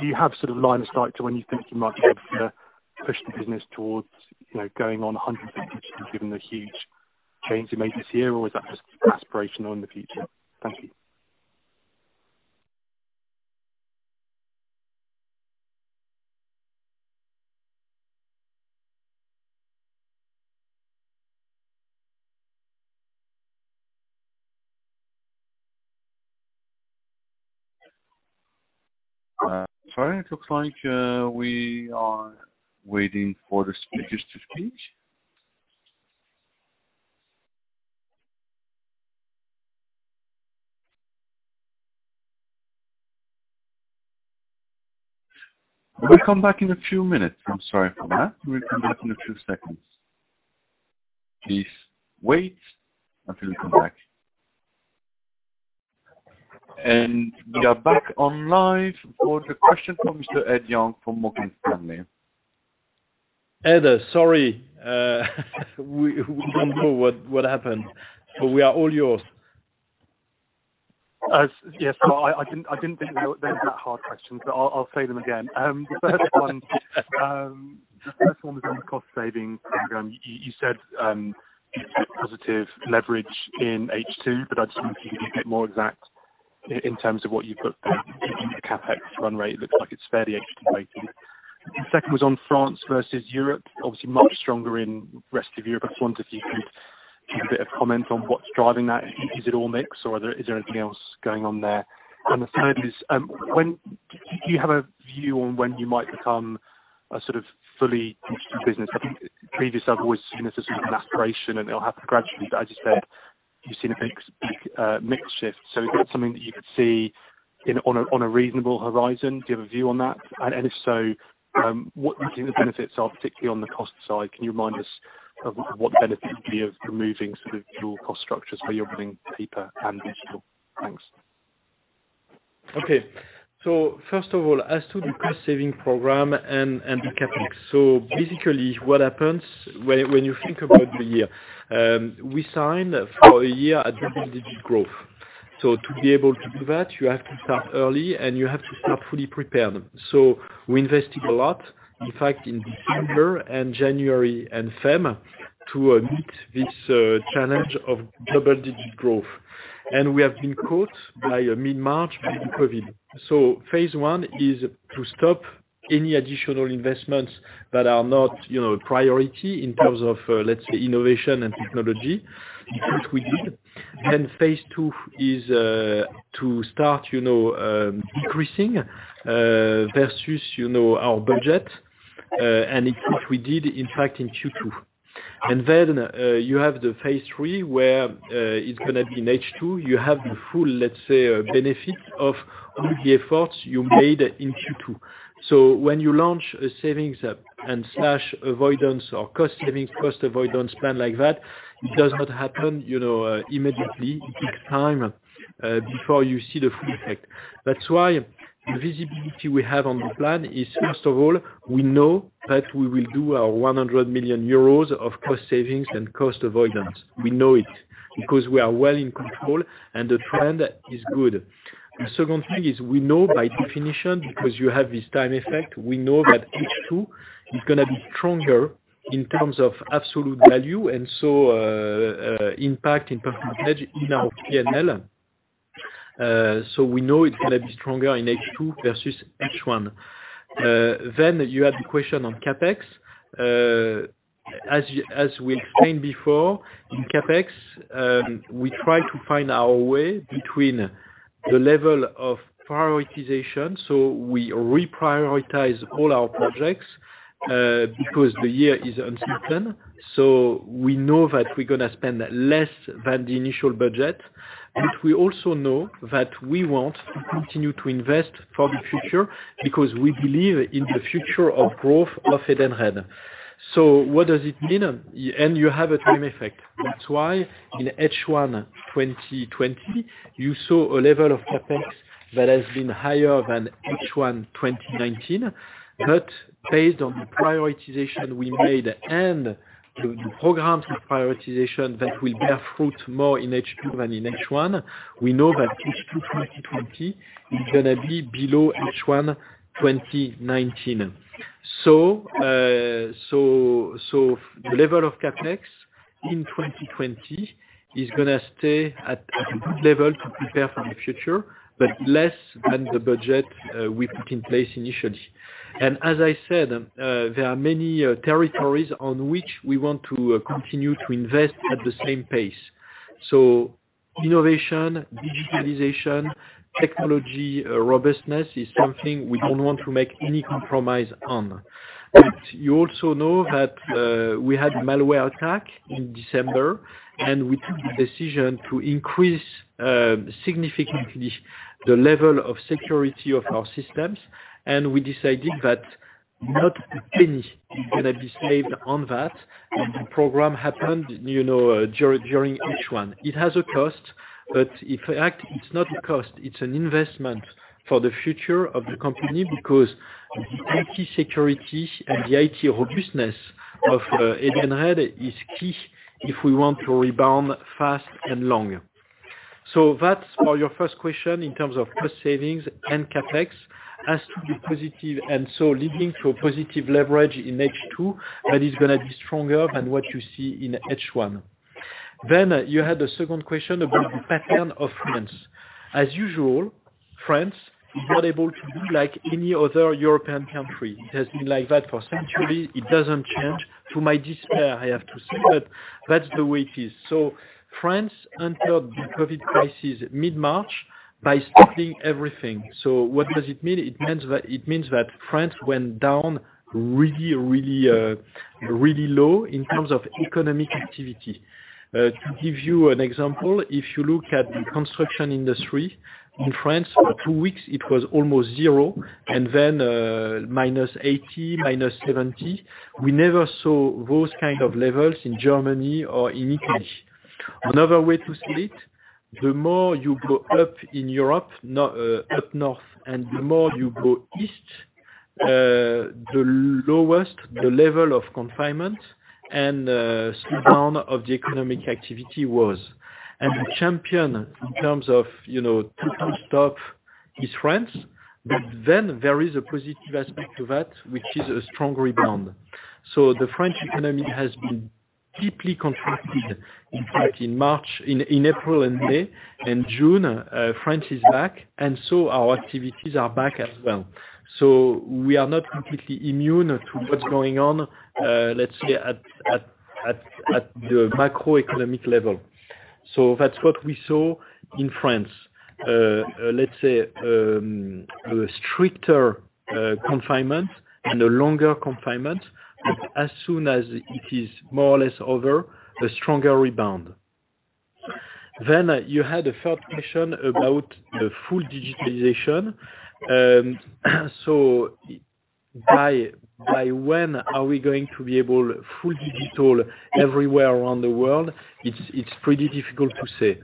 do you have sort of a line of sight to when you think you might be able to push the business towards going on 100% digital given the huge change that may be here, or is that just aspirational in the future? Thank you. Sorry. It looks like we are waiting for the speakers to speak. We'll come back in a few minutes. I'm sorry for that. We'll come back in a few seconds. Please wait until we come back, and we are back on live for the question from Mr. Ed Young from Morgan Stanley. Ed, sorry. We don't know what happened, but we are all yours. Yes, so I didn't think there were that hard questions, but I'll say them again. The first one is on the cost savings. You said it's positive leverage in H2, but I just wanted you to be a bit more exact in terms of what you put. CapEx run rate, it looks like it's fairly H2-weighted. The second was on France versus Europe, obviously much stronger in the rest of Europe. I just wondered if you could give a bit of comment on what's driving that. Is it all mixed, or is there anything else going on there? And the third is, do you have a view on when you might become a sort of fully digital business? I think previously, I've always seen it as sort of an aspiration, and it'll happen gradually. But as you said, you've seen a big mix shift. So is that something that you could see on a reasonable horizon? Do you have a view on that? And if so, what do you think the benefits are, particularly on the cost side? Can you remind us of what the benefits would be of removing sort of dual cost structures where you'rer running paper and digital? Thanks. Okay. So first of all, as to the cost-saving program and the CapEx. So basically, what happens when you think about the year? We signed for a year at double-digit growth. To be able to do that, you have to start early, and you have to start fully prepared. So we invested a lot, in fact, in December and January and February, to meet this challenge of double-digit growth. And we have been caught by mid-March with COVID. So phase one is to stop any additional investments that are not a priority in terms of, let's say, innovation and technology. It's what we did. Then phase two is to start decreasing versus our budget, and it's what we did, in fact, in Q2. And then you have the phase three where it's going to be in H2. You have the full, let's say, benefits of all the efforts you made in Q2. So when you launch a savings and cost avoidance or cost-savings, cost-avoidance plan like that, it does not happen immediately. It takes time before you see the full effect. That's why the visibility we have on the plan is, first of all, we know that we will do our 100 million euros of cost savings and cost avoidance. We know it because we are well in control, and the trend is good. The second thing is we know by definition, because you have this time effect, we know that H2 is going to be stronger in terms of absolute value and so impact in percentage in our P&L. So we know it's going to be stronger in H2 versus H1. Then you have the question on CapEx. As we explained before, in CapEx, we try to find our way between the level of prioritization. So we reprioritize all our projects because the year is uncertain. So we know that we're going to spend less than the initial budget, but we also know that we want to continue to invest for the future because we believe in the future of growth of Edenred. So what does it mean? And you have a time effect. That's why in H1 2020, you saw a level of CapEx that has been higher than H1 2019. But based on the prioritization we made and the programs with prioritization that will bear fruit more in H2 than in H1, we know that H2 2020 is going to be below H1 2019. So the level of CapEx in 2020 is going to stay at a good level to prepare for the future, but less than the budget we put in place initially. As I said, there are many territories on which we want to continue to invest at the same pace. So innovation, digitalization, technology robustness is something we don't want to make any compromise on. But you also know that we had a malware attack in December, and we took the decision to increase significantly the level of security of our systems. And we decided that not a penny is going to be saved on that, and the program happened during H1. It has a cost, but in fact, it's not a cost. It's an investment for the future of the company because the IT security and the IT robustness of Edenred is key if we want to rebound fast and long. So that's for your first question in terms of cost savings and CapEx, as to the positive and so leading to a positive leverage in H2 that is going to be stronger than what you see in H1. Then you had a second question about the pattern of France. As usual, France is not able to be like any other European country. It has been like that for centuries. It doesn't change. To my despair, I have to say, but that's the way it is. So France entered the COVID crisis mid-March by stopping everything. So what does it mean? It means that France went down really, really, really low in terms of economic activity. To give you an example, if you look at the construction industry in France, for two weeks, it was almost zero and then -80, -70. We never saw those kinds of levels in Germany or in Italy. Another way to say it, the more you go up in Europe, up north, and the more you go east, the lower the level of confinement and slowdown of the economic activity was. And the champion in terms of total stop is France. But then there is a positive aspect to that, which is a strong rebound. So the French economy has been deeply contracted, in fact, in April and May and June, France is back, and so our activities are back as well. So we are not completely immune to what's going on, let's say, at the macroeconomic level. So that's what we saw in France. Let's say a stricter confinement and a longer confinement, but as soon as it is more or less over, a stronger rebound. Then you had a third question about the full digitalization. So by when are we going to be able to be fully digital everywhere around the world? It's pretty difficult to say.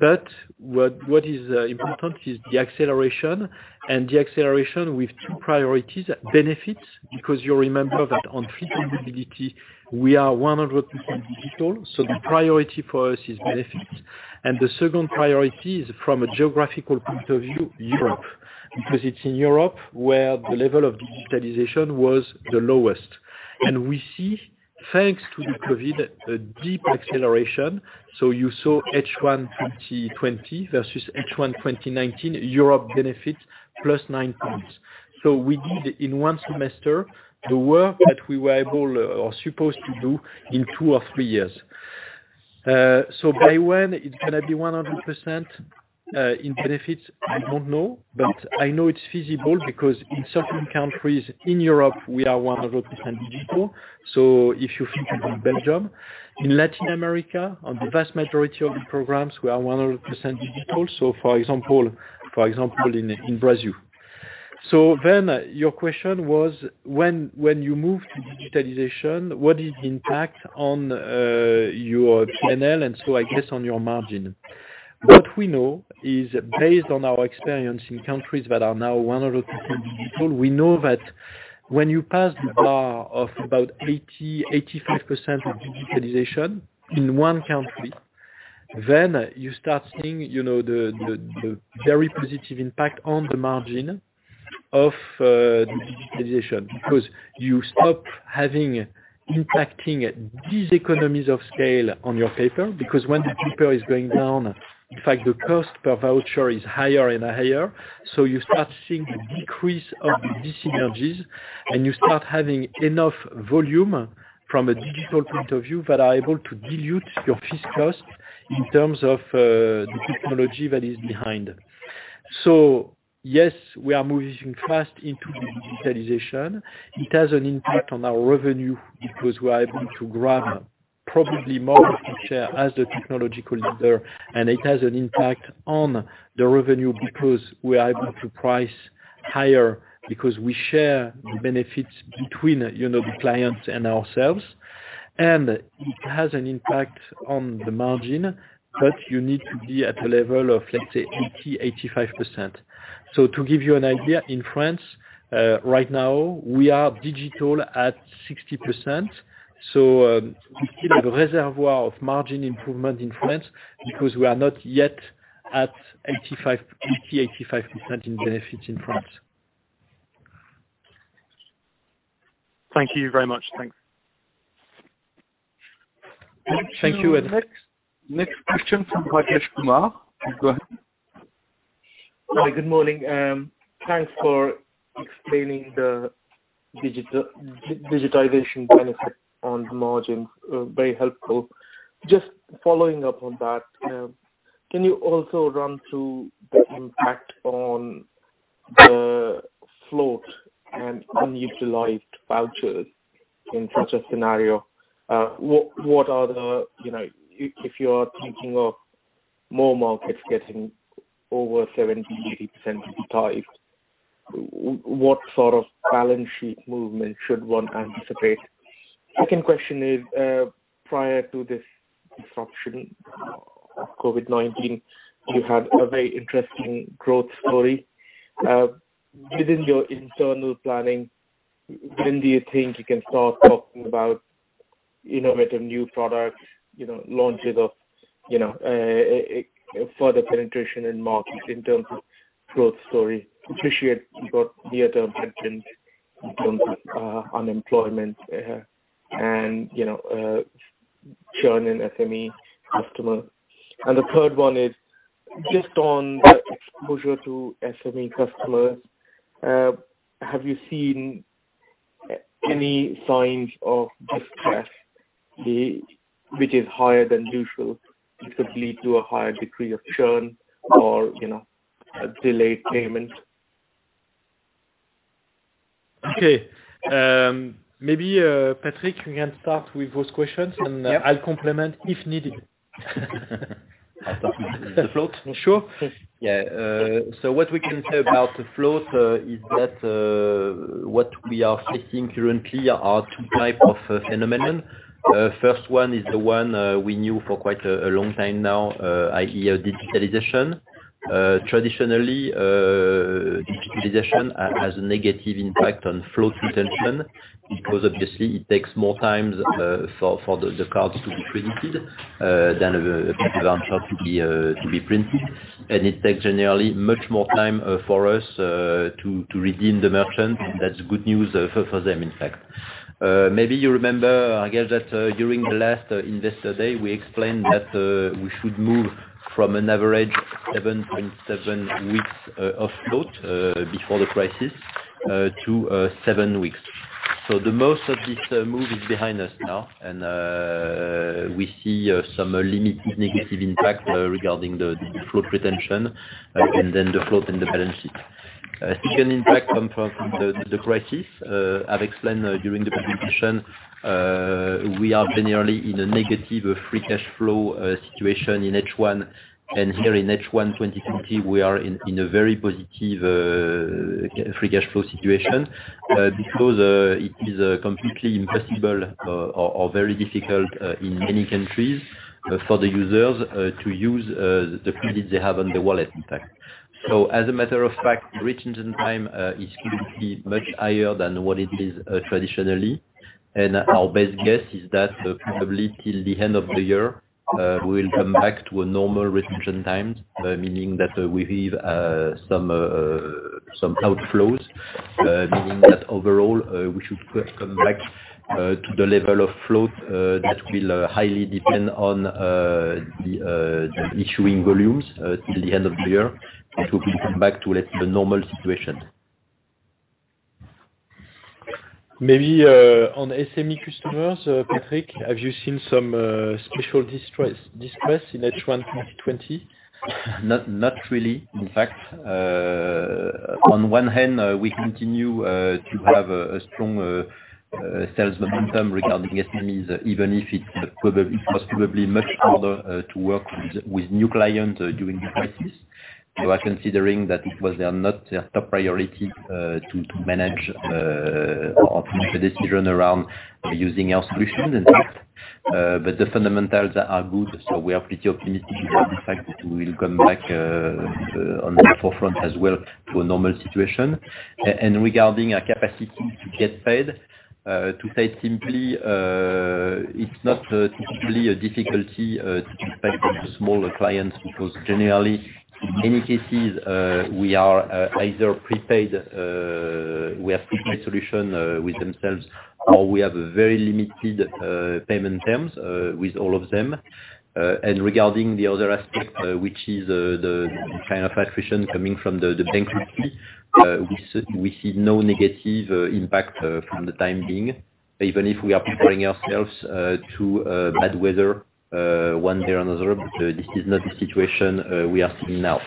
But what is important is the acceleration, and the acceleration with two priorities: benefits, because you remember that on fleet availability, we are 100% digital. So the priority for us is benefits. And the second priority is, from a geographical point of view, Europe, because it's in Europe where the level of digitalization was the lowest. And we see, thanks to the COVID, a deep acceleration. So you saw H1 2020 versus H1 2019, Europe benefits plus 9 points. So we did in one semester the work that we were able or supposed to do in two or three years. So by when it's going to be 100% in benefits, I don't know, but I know it's feasible because in certain countries in Europe, we are 100% digital. So if you think of Belgium, in Latin America, on the vast majority of the programs, we are 100% digital. So for example, in Brazil. So then your question was, when you move to digitalization, what is the impact on your P&L and so, I guess, on your margin? What we know is, based on our experience in countries that are now 100% digital, we know that when you pass the bar of about 80-85% of digitalization in one country, then you start seeing the very positive impact on the margin of digitalization because you stop having impacting these economies of scale on your paper. Because when the paper is going down, in fact, the cost per voucher is higher and higher. So you start seeing the decrease of the diseconomies, and you start having enough volume from a digital point of view that are able to dilute your fixed cost in terms of the technology that is behind. So yes, we are moving fast into the digitalization. It has an impact on our revenue because we are able to grab probably more of the share as the technological leader, and it has an impact on the revenue because we are able to price higher because we share the benefits between the clients and ourselves. And it has an impact on the margin, but you need to be at a level of, let's say, 80%-85%. So to give you an idea, in France, right now, we are digital at 60%. So we still have a reservoir of margin improvement in France because we are not yet at 80%-85% in benefits in France. Thank you very much. Thanks. Thank you, Ed. Next question from Rajesh Kumar. You go ahead. Hi. Good morning. Thanks for explaining the digitalization benefits on the margins. Very helpful. Just following up on that, can you also run through the impact on the float and unutilized vouchers in such a scenario? What are the if you are thinking of more markets getting over 70%-80% digitized, what sort of balance sheet movement should one anticipate? Second question is, prior to this disruption of COVID-19, you had a very interesting growth story. Within your internal planning, when do you think you can start talking about innovative new products, launches of further penetration in markets in terms of growth story? Appreciate you've got near-term questions in terms of unemployment and churn in SME customers. The third one is, just on the exposure to SME customers, have you seen any signs of distress which is higher than usual? It could lead to a higher degree of churn or delayed payment. Okay. Maybe Patrick, you can start with those questions, and I'll complement if needed. Start with the float? Sure. Yeah. So what we can say about the float is that what we are facing currently are two types of phenomenon. First one is the one we knew for quite a long time now, i.e., digitalization. Traditionally, digitalization has a negative impact on float intention because, obviously, it takes more time for the cards to be printed than the voucher to be printed. It takes generally much more time for us to redeem the merchants. That's good news for them, in fact. Maybe you remember, I guess, that during the last investor day, we explained that we should move from an average 7.7 weeks of float before the crisis to 7 weeks. So most of this move is behind us now, and we see some limited negative impact regarding the float retention and then the float in the balance sheet. Second impact comes from the crisis. I've explained during the presentation, we are generally in a negative free cash flow situation in H1. And here in H1 2020, we are in a very positive free cash flow situation because it is completely impossible or very difficult in many countries for the users to use the credit they have on the wallet, in fact. So, as a matter of fact, retention time is typically much higher than what it is traditionally. Our best guess is that probably till the end of the year, we will come back to a normal retention time, meaning that we have some outflows, meaning that overall, we should come back to the level of float that will highly depend on the issuing volumes till the end of the year, which will come back to, let's say, a normal situation. Maybe on SME customers, Patrick, have you seen some special distress in H1 2020? Not really, in fact. On one hand, we continue to have a strong sales momentum regarding SMEs, even if it was probably much harder to work with new clients during the crisis. We are considering that it was not a top priority to manage or to make a decision around using our solutions, in fact. But the fundamentals are good, so we are pretty optimistic that, in fact, we will come back on the forefront as well to a normal situation. And regarding our capacity to get paid, to say it simply, it's not typically a difficulty to get paid from small clients because, generally, in many cases, we are either prepaid - we have prepaid solutions with themselves, or we have very limited payment terms with all of them. And regarding the other aspect, which is the kind of attrition coming from the bankruptcy, we see no negative impact for the time being, even if we are preparing ourselves to bad weather one day or another, but this is not the situation we are seeing now.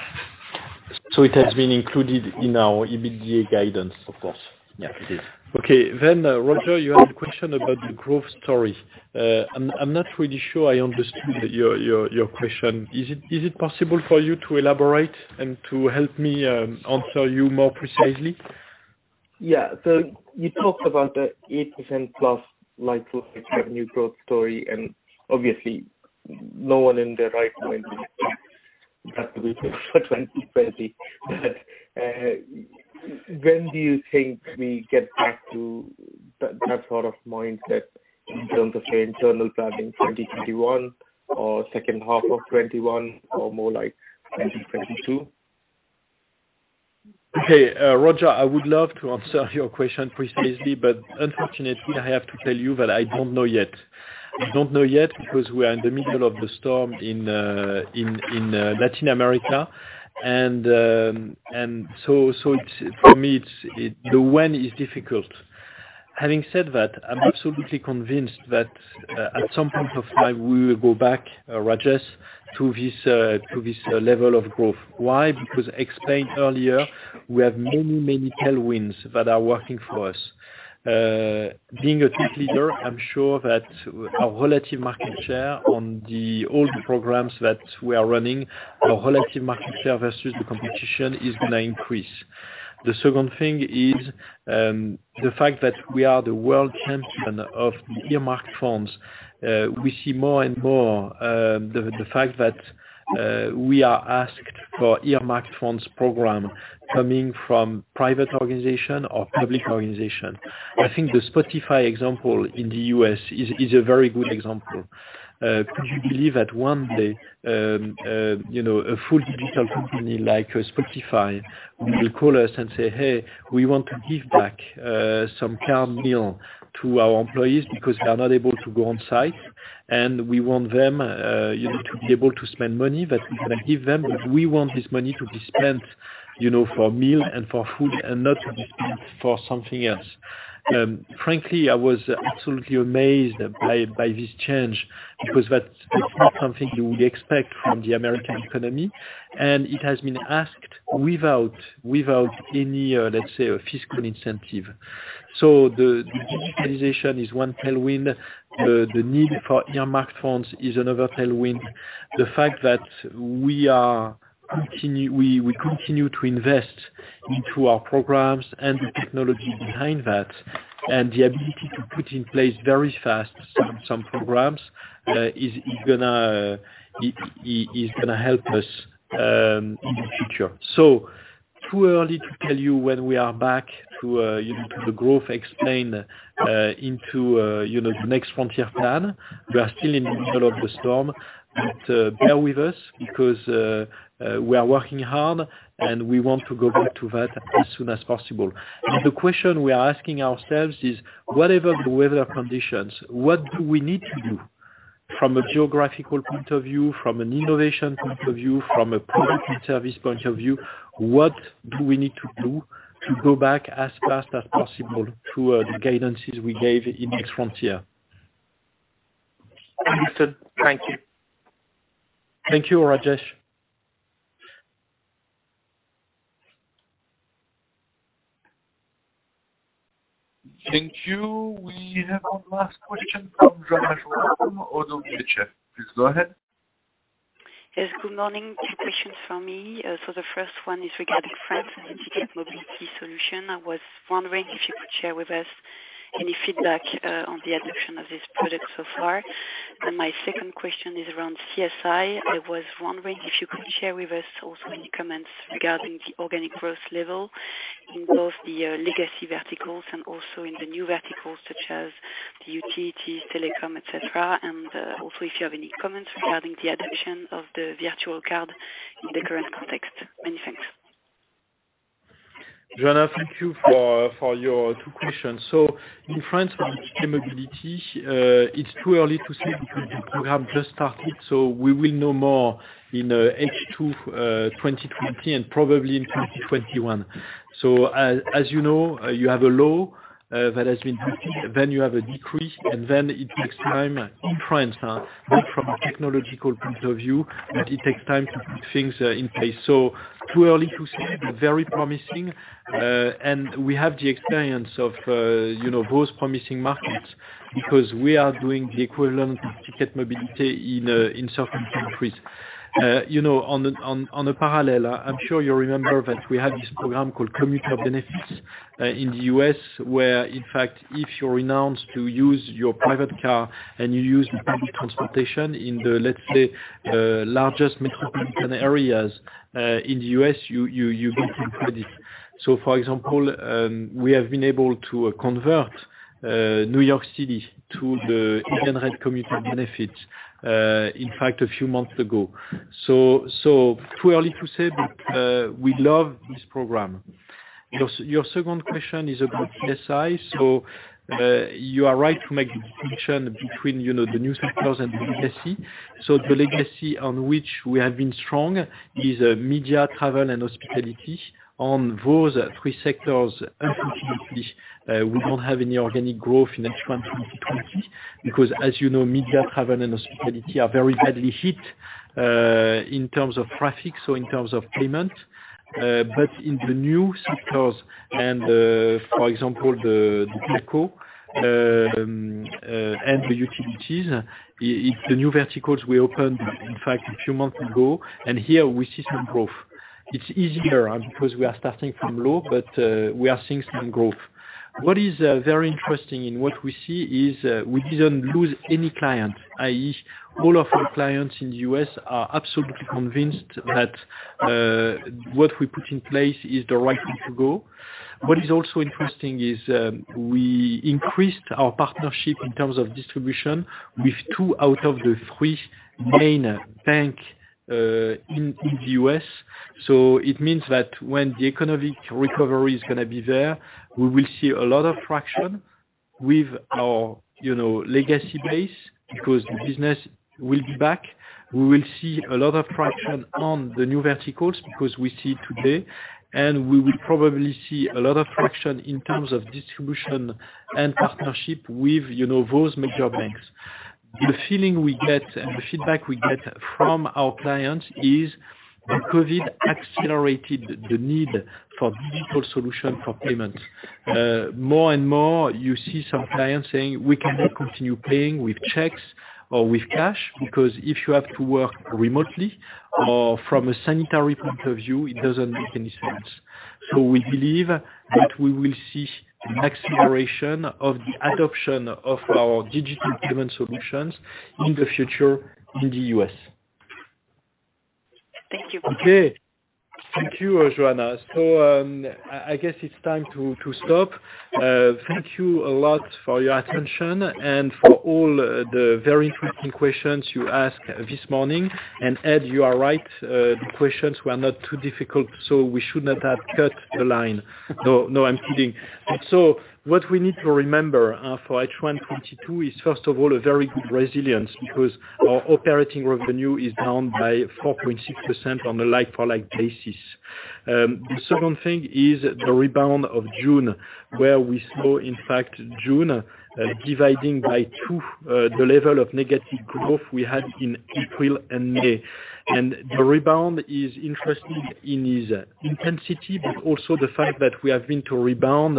So it has been included in our EBITDA guidance, of course. Yes, it is. Okay. Then, Rajesh, you had a question about the growth story. I'm not really sure I understood your question. Is it possible for you to elaborate and to help me answer you more precisely? Yeah. So you talked about the 8% plus like-for-like revenue growth story, and obviously, no one in their right mind is prepared for 2020. But when do you think we get back to that sort of mindset in terms of your internal planning for 2021 or second half of 2021 or more like 2022? Okay. Rajesh, I would love to answer your question precisely, but unfortunately, I have to tell you that I don't know yet. I don't know yet because we are in the middle of the storm in Latin America. And so, for me, the when is difficult. Having said that, I'm absolutely convinced that at some point of time, we will go back, Rajesh, to this level of growth. Why? Because, explained earlier, we have many, many tailwinds that are working for us. Being a tech leader, I'm sure that our relative market share on the old programs that we are running, our relative market share versus the competition is going to increase. The second thing is the fact that we are the world champion of earmarked funds. We see more and more the fact that we are asked for earmarked funds programs coming from private organizations or public organizations. I think the Spotify example in the U.S. is a very good example. Could you believe that one day a full digital company like Spotify will call us and say, "Hey, we want to give back some meal card to our employees because they are not able to go on site, and we want them to be able to spend money that we're going to give them. We want this money to be spent for meal and for food and not to be spent for something else." Frankly, I was absolutely amazed by this change because that's not something you would expect from the American economy, and it has been asked without any, let's say, fiscal incentive. So the digitalization is one tailwind. The need for earmarked funds is another tailwind. The fact that we continue to invest into our programs and the technology behind that and the ability to put in place very fast some programs is going to help us in the future. So, too early to tell you when we are back to the growth explained into the Next Frontier plan. We are still in the middle of the storm, but bear with us because we are working hard, and we want to go back to that as soon as possible. And the question we are asking ourselves is, whatever the weather conditions, what do we need to do from a geographical point of view, from an innovation point of view, from a product and service point of view? What do we need to do to go back as fast as possible to the guidances we gave in Next Frontier? Understood. Thank you. Thank you, Rajesh. Thank you. We have one last question from Johanna Jourdain. Please go ahead. Yes. Good morning. Two questions for me. So the first one is regarding France's digital mobility solution. I was wondering if you could share with us any feedback on the adoption of this product so far. And my second question is around CSI. I was wondering if you could share with us also any comments regarding the organic growth level in both the legacy verticals and also in the new verticals such as the utilities, telecom, etc., and also if you have any comments regarding the adoption of the virtual card in the current context? Many thanks. Joanna, thank you for your two questions. So in France, for digital mobility, it's too early to say because the program just started, so we will know more in H2 2020 and probably in 2021. So, as you know, you have a low that has been boosted, then you have a decrease, and then it takes time in France, not from a technological point of view, but it takes time to put things in place. So, too early to say, but very promising. We have the experience of those promising markets because we are doing the equivalent of Ticket Mobilité in certain countries. On a parallel, I'm sure you remember that we have this program called Commuter Benefits in the U.S., where, in fact, if you renounce to use your private car and you use public transportation in the, let's say, largest metropolitan areas in the U.S., you get credit. For example, we have been able to convert New York City to the Edenred Commuter Benefits, in fact, a few months ago. Too early to say, but we love this program. Your second question is about CSI. You are right to make the distinction between the new sectors and the legacy. The legacy on which we have been strong is media, travel, and hospitality. On those three sectors, unfortunately, we don't have any organic growth in H1 2020 because, as you know, media, travel, and hospitality are very badly hit in terms of traffic, so in terms of payment, but in the new sectors, and for example, the telco and the utilities, it's the new verticals we opened, in fact, a few months ago, and here we see some growth. It's easier because we are starting from low, but we are seeing some growth. What is very interesting in what we see is we didn't lose any clients, i.e., all of our clients in the U.S. are absolutely convinced that what we put in place is the right way to go. What is also interesting is we increased our partnership in terms of distribution with two out of the three main banks in the U.S. So it means that when the economic recovery is going to be there, we will see a lot of traction with our legacy base because the business will be back. We will see a lot of traction on the new verticals because we see today, and we will probably see a lot of traction in terms of distribution and partnership with those major banks. The feeling we get and the feedback we get from our clients is that COVID accelerated the need for digital solutions for payments. More and more, you see some clients saying, "We cannot continue paying with checks or with cash because if you have to work remotely or from a sanitary point of view, it doesn't make any sense." So we believe that we will see an acceleration of the adoption of our digital payment solutions in the future in the U.S. Thank you. Okay. Thank you, Joanna. So I guess it's time to stop. Thank you a lot for your attention and for all the very interesting questions you asked this morning, and Ed, you are right. The questions were not too difficult, so we should not have cut the line. No, I'm kidding, so what we need to remember for H1 2020 is, first of all, a very good resilience because our operating revenue is down by 4.6% on a like-for-like basis. The second thing is the rebound of June, where we saw, in fact, June dividing by two, the level of negative growth we had in April and May. The rebound is interesting in its intensity, but also the fact that we have been to rebound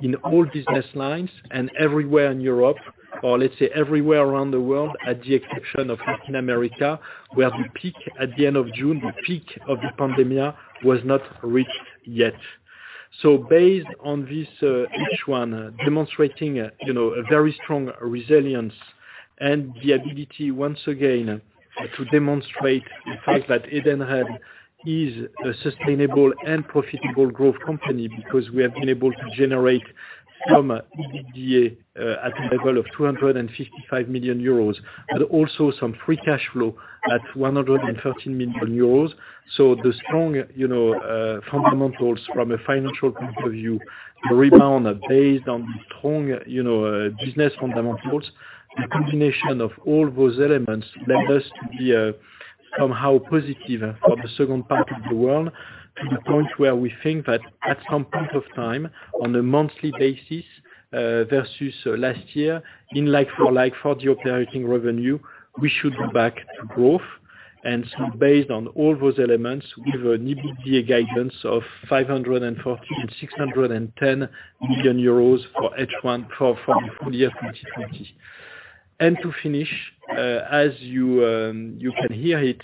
in all business lines and everywhere in Europe, or let's say everywhere around the world, at the exception of Latin America, where the peak at the end of June, the peak of the pandemic, was not reached yet. So based on this, each one demonstrating a very strong resilience and the ability, once again, to demonstrate the fact that Edenred is a sustainable and profitable growth company because we have been able to generate some EBITDA at the level of 255 million euros, but also some free cash flow at 113 million euros. So the strong fundamentals from a financial point of view, the rebound based on the strong business fundamentals, the combination of all those elements led us to be somehow positive for the second part of the world, to the point where we think that at some point of time, on a monthly basis versus last year, in like-for-like for the operating revenue, we should go back to growth. And so based on all those elements, we have an EBITDA guidance of 540 and 610 million euros for H1 for the full year 2020. And to finish, as you can hear it,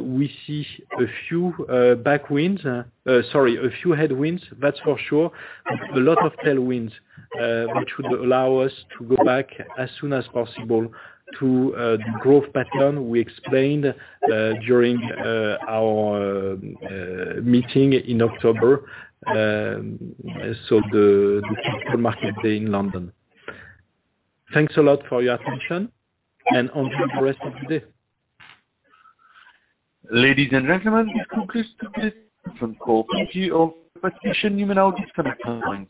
we see a few backwinds, sorry, a few headwinds, that's for sure, and a lot of tailwinds which would allow us to go back as soon as possible to the growth pattern we explained during our meeting in October, so the Digital Market Day in London. Thanks a lot for your attention, and enjoy the rest of the day. Ladies and gentlemen, would you please state your name and affiliation?